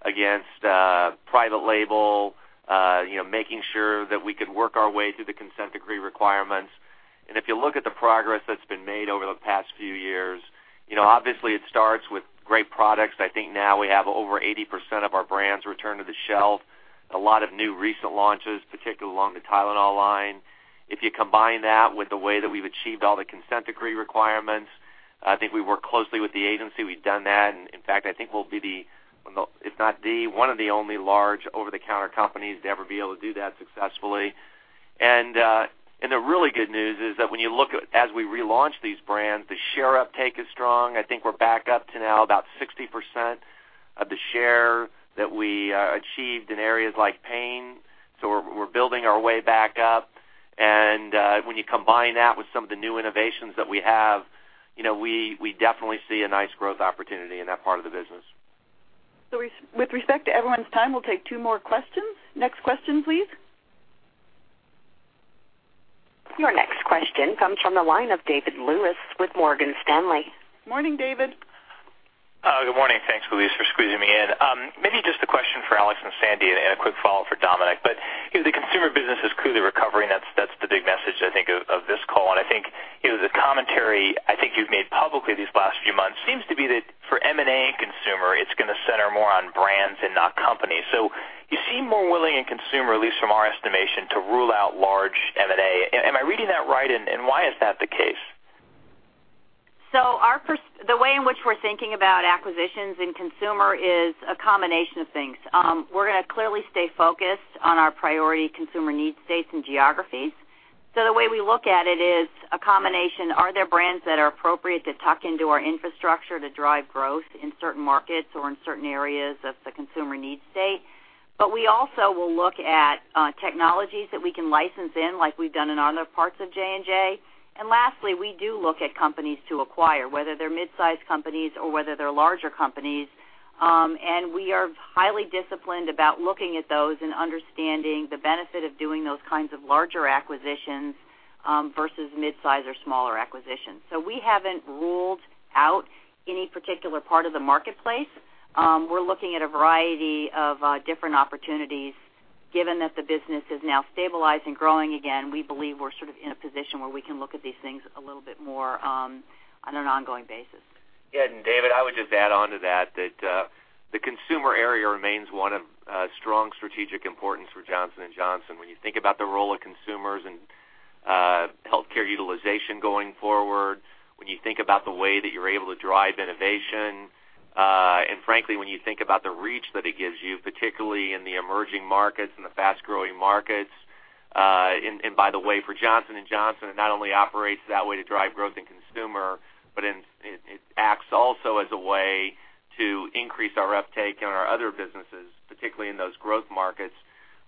against private label, making sure that we could work our way through the consent decree requirements. If you look at the progress that's been made over the past few years, obviously it starts with great products. I think now we have over 80% of our brands returned to the shelf, a lot of new recent launches, particularly along the Tylenol line. If you combine that with the way that we've achieved all the consent decree requirements, I think we work closely with the agency. We've done that, in fact, I think we'll be, if not the, one of the only large over-the-counter companies to ever be able to do that successfully. The really good news is that when you look as we relaunch these brands, the share uptake is strong. I think we're back up to now about 60% of the share that we achieved in areas like pain. We're building our way back up. When you combine that with some of the new innovations that we have, we definitely see a nice growth opportunity in that part of the business. With respect to everyone's time, we'll take two more questions. Next question, please. Your next question comes from the line of David Lewis with Morgan Stanley. Morning, David. Good morning. Thanks, Louise, for squeezing me in. Maybe just a question for Alex and Sandi and a quick follow for Dominic. The consumer business is clearly recovering. That's the big message, I think, of this call. I think the commentary I think you've made publicly these last few months seems to be that for M&A consumer, it's going to center more on brands and not companies. You seem more willing in consumer, at least from our estimation, to rule out large M&A. Am I reading that right, and why is that the case? The way in which we're thinking about acquisitions in consumer is a combination of things. We're going to clearly stay focused on our priority consumer need states and geographies. The way we look at it is a combination. Are there brands that are appropriate to tuck into our infrastructure to drive growth in certain markets or in certain areas of the consumer need state? We also will look at technologies that we can license in, like we've done in other parts of J&J. Lastly, we do look at companies to acquire, whether they're mid-size companies or whether they're larger companies. We are highly disciplined about looking at those and understanding the benefit of doing those kinds of larger acquisitions versus mid-size or smaller acquisitions. We haven't ruled out any particular part of the marketplace. We're looking at a variety of different opportunities. Given that the business is now stabilized and growing again, we believe we're sort of in a position where we can look at these things a little bit more on an ongoing basis. Yeah. David, I would just add onto that the consumer area remains one of strong strategic importance for Johnson & Johnson. When you think about the role of consumers and healthcare utilization going forward, when you think about the way that you're able to drive innovation, and frankly, when you think about the reach that it gives you, particularly in the emerging markets and the fast-growing markets. By the way, for Johnson & Johnson, it not only operates that way to drive growth in consumer, but it acts also as a way to increase our uptake in our other businesses, particularly in those growth markets.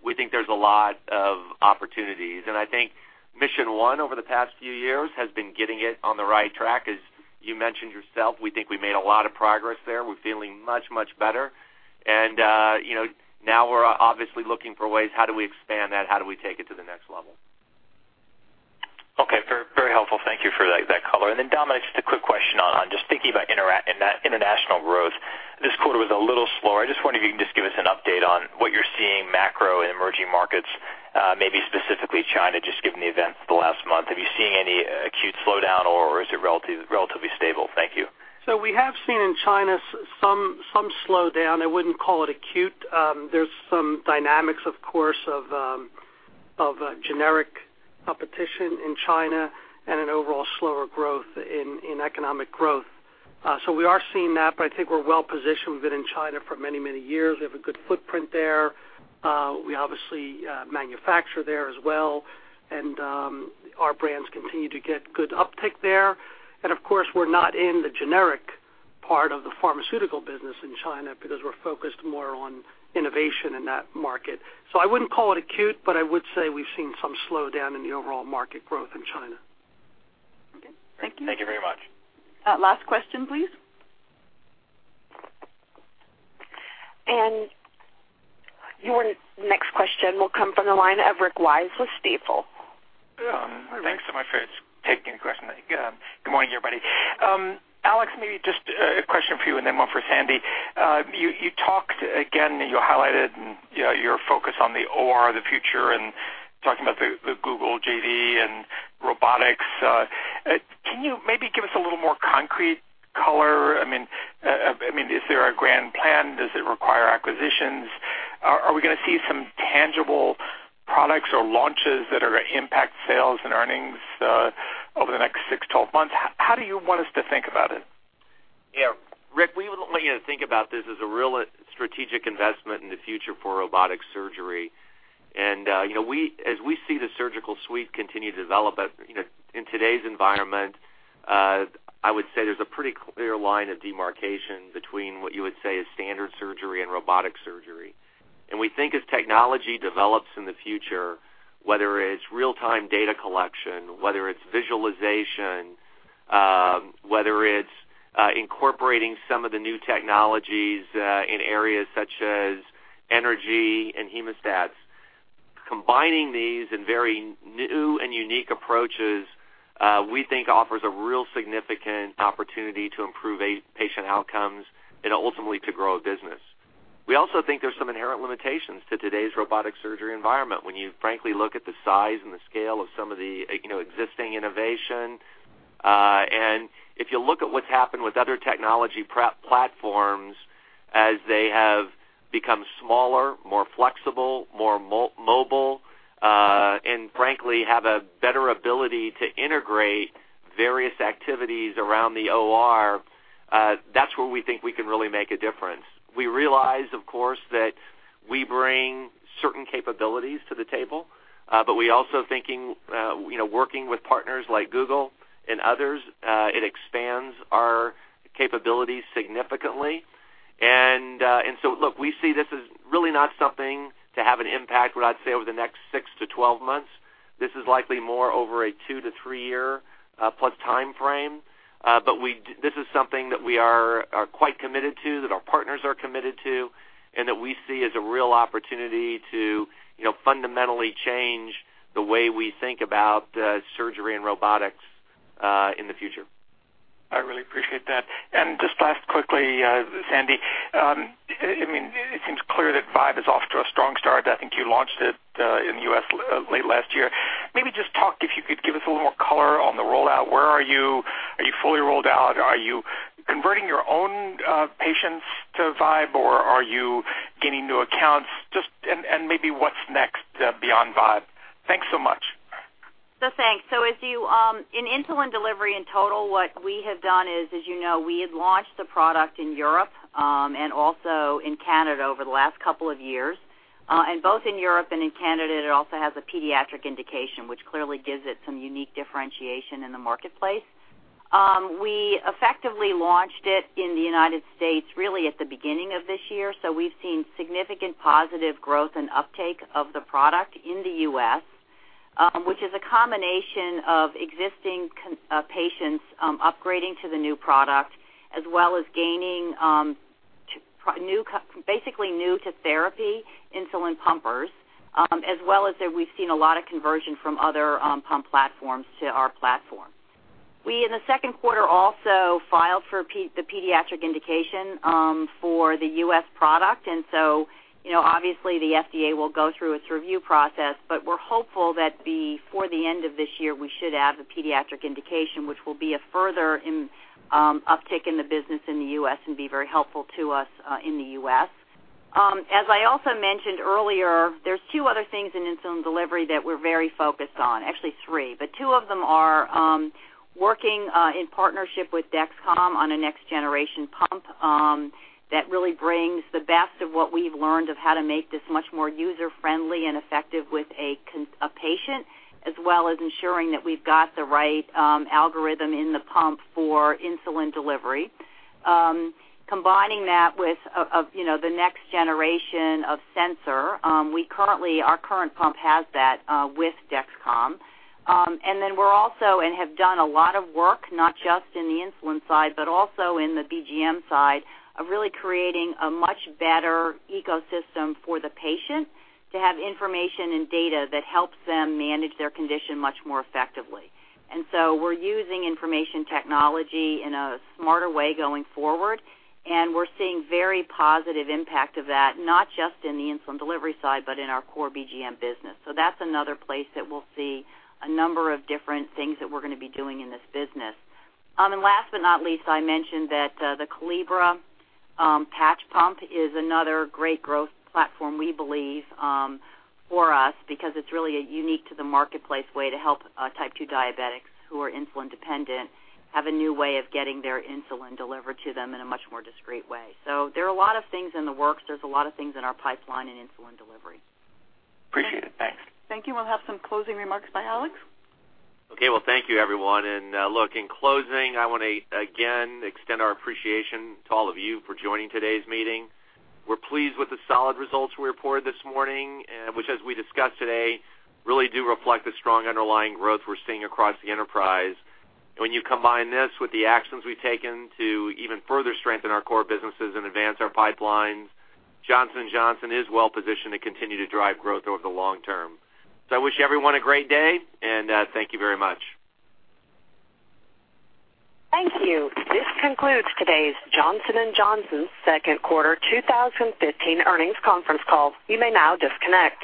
We think there's a lot of opportunities. I think mission one over the past few years has been getting it on the right track. As you mentioned yourself, we think we made a lot of progress there. We're feeling much better. Now we're obviously looking for ways, how do we expand that? How do we take it to the next level? Okay. Very helpful. Thank you for that color. Dominic, just a quick question on just thinking about international growth. This quarter was a little slower. I just wonder if you can just give us an update on what you're seeing macro in emerging markets, maybe specifically China, just given the events of the last month. Have you seen any acute slowdown or is it relatively stable? Thank you. We have seen in China some slowdown. I wouldn't call it acute. There's some dynamics, of course, of generic competition in China and an overall slower growth in economic growth. We are seeing that, but I think we're well positioned. We've been in China for many, many years. We have a good footprint there. We obviously manufacture there as well, and our brands continue to get good uptick there. Of course, we're not in the generic part of the pharmaceutical business in China because we're focused more on innovation in that market. I wouldn't call it acute, but I would say we've seen some slowdown in the overall market growth in China. Okay. Thank you. Thank you very much. Last question, please. Your next question will come from the line of Rick Wise with Stifel. Thanks so much for taking the question. Good morning, everybody. Alex, maybe just a question for you and then one for Sandi. You talked again, and you highlighted your focus on the OR of the future and talking about the Google JV and robotics. Can you maybe give us a little more concrete color? Is there a grand plan? Does it require acquisitions? Are we going to see some tangible products or launches that are going to impact sales and earnings over the next six, 12 months? How do you want us to think about it? Yeah. Rick, we would want you to think about this as a real strategic investment in the future for robotic surgery. As we see the surgical suite continue to develop in today's environment, I would say there's a pretty clear line of demarcation between what you would say is standard surgery and robotic surgery. We think as technology develops in the future, whether it's real-time data collection, whether it's visualization, whether it's incorporating some of the new technologies in areas such as energy and hemostats, combining these in very new and unique approaches, we think offers a real significant opportunity to improve patient outcomes and ultimately to grow a business. We also think there's some inherent limitations to today's robotic surgery environment when you frankly look at the size and the scale of some of the existing innovation. If you look at what's happened with other technology platforms, as they have become smaller, more flexible, more mobile, and frankly, have a better ability to integrate various activities around the OR, that's where we think we can really make a difference. We realize, of course, that we bring certain capabilities to the table, but we also think working with partners like Google and others, it expands our capabilities significantly. Look, we see this as really not something to have an impact, what I'd say, over the next 6 to 12 months. This is likely more over a 2 to 3 year plus timeframe. But this is something that we are quite committed to, that our partners are committed to, and that we see as a real opportunity to fundamentally change the way we think about surgery and robotics in the future. I really appreciate that. Just last quickly, Sandi, it seems clear that Vibe is off to a strong start. I think you launched it in the U.S. late last year. Maybe just talk, if you could give us a little more color on the rollout. Where are you? Are you fully rolled out? Are you converting your own patients to Vibe or are you getting new accounts? Just and maybe what's next beyond Vibe? Thanks so much. Thanks. In insulin delivery in total, what we have done is, as you know, we had launched the product in Europe, and also in Canada over the last couple of years. Both in Europe and in Canada, it also has a pediatric indication, which clearly gives it some unique differentiation in the marketplace. We effectively launched it in the United States really at the beginning of this year. We've seen significant positive growth and uptake of the product in the U.S., which is a combination of existing patients upgrading to the new product, as well as gaining basically new to therapy insulin pumpers, as well as we've seen a lot of conversion from other pump platforms to our platform. We, in the second quarter, also filed for the pediatric indication for the U.S. product. Obviously the FDA will go through its review process, but we're hopeful that before the end of this year, we should have the pediatric indication, which will be a further uptick in the business in the U.S. and be very helpful to us in the U.S. As I also mentioned earlier, there's two other things in insulin delivery that we're very focused on, actually three, but two of them are working in partnership with Dexcom on a next generation pump that really brings the best of what we've learned of how to make this much more user-friendly and effective with a patient, as well as ensuring that we've got the right algorithm in the pump for insulin delivery. Combining that with the next generation of sensor. Our current pump has that with Dexcom. We have done a lot of work not just in the insulin side, but also in the BGM side of really creating a much better ecosystem for the patient to have information and data that helps them manage their condition much more effectively. We're using information technology in a smarter way going forward, and we're seeing very positive impact of that, not just in the insulin delivery side, but in our core BGM business. That's another place that we'll see a number of different things that we're going to be doing in this business. Last but not least, I mentioned that the Calibra patch pump is another great growth platform, we believe, for us because it's really a unique to the marketplace way to help type 2 diabetics who are insulin dependent, have a new way of getting their insulin delivered to them in a much more discreet way. There are a lot of things in the works. There's a lot of things in our pipeline in insulin delivery. Appreciate it. Thanks. Thank you. We'll have some closing remarks by Alex. Okay. Well, thank you everyone. Look, in closing, I want to again extend our appreciation to all of you for joining today's meeting. We're pleased with the solid results we reported this morning, which as we discussed today, really do reflect the strong underlying growth we're seeing across the enterprise. When you combine this with the actions we've taken to even further strengthen our core businesses and advance our pipelines, Johnson & Johnson is well positioned to continue to drive growth over the long term. I wish everyone a great day, and thank you very much. Thank you. This concludes today's Johnson & Johnson second quarter 2015 earnings conference call. You may now disconnect.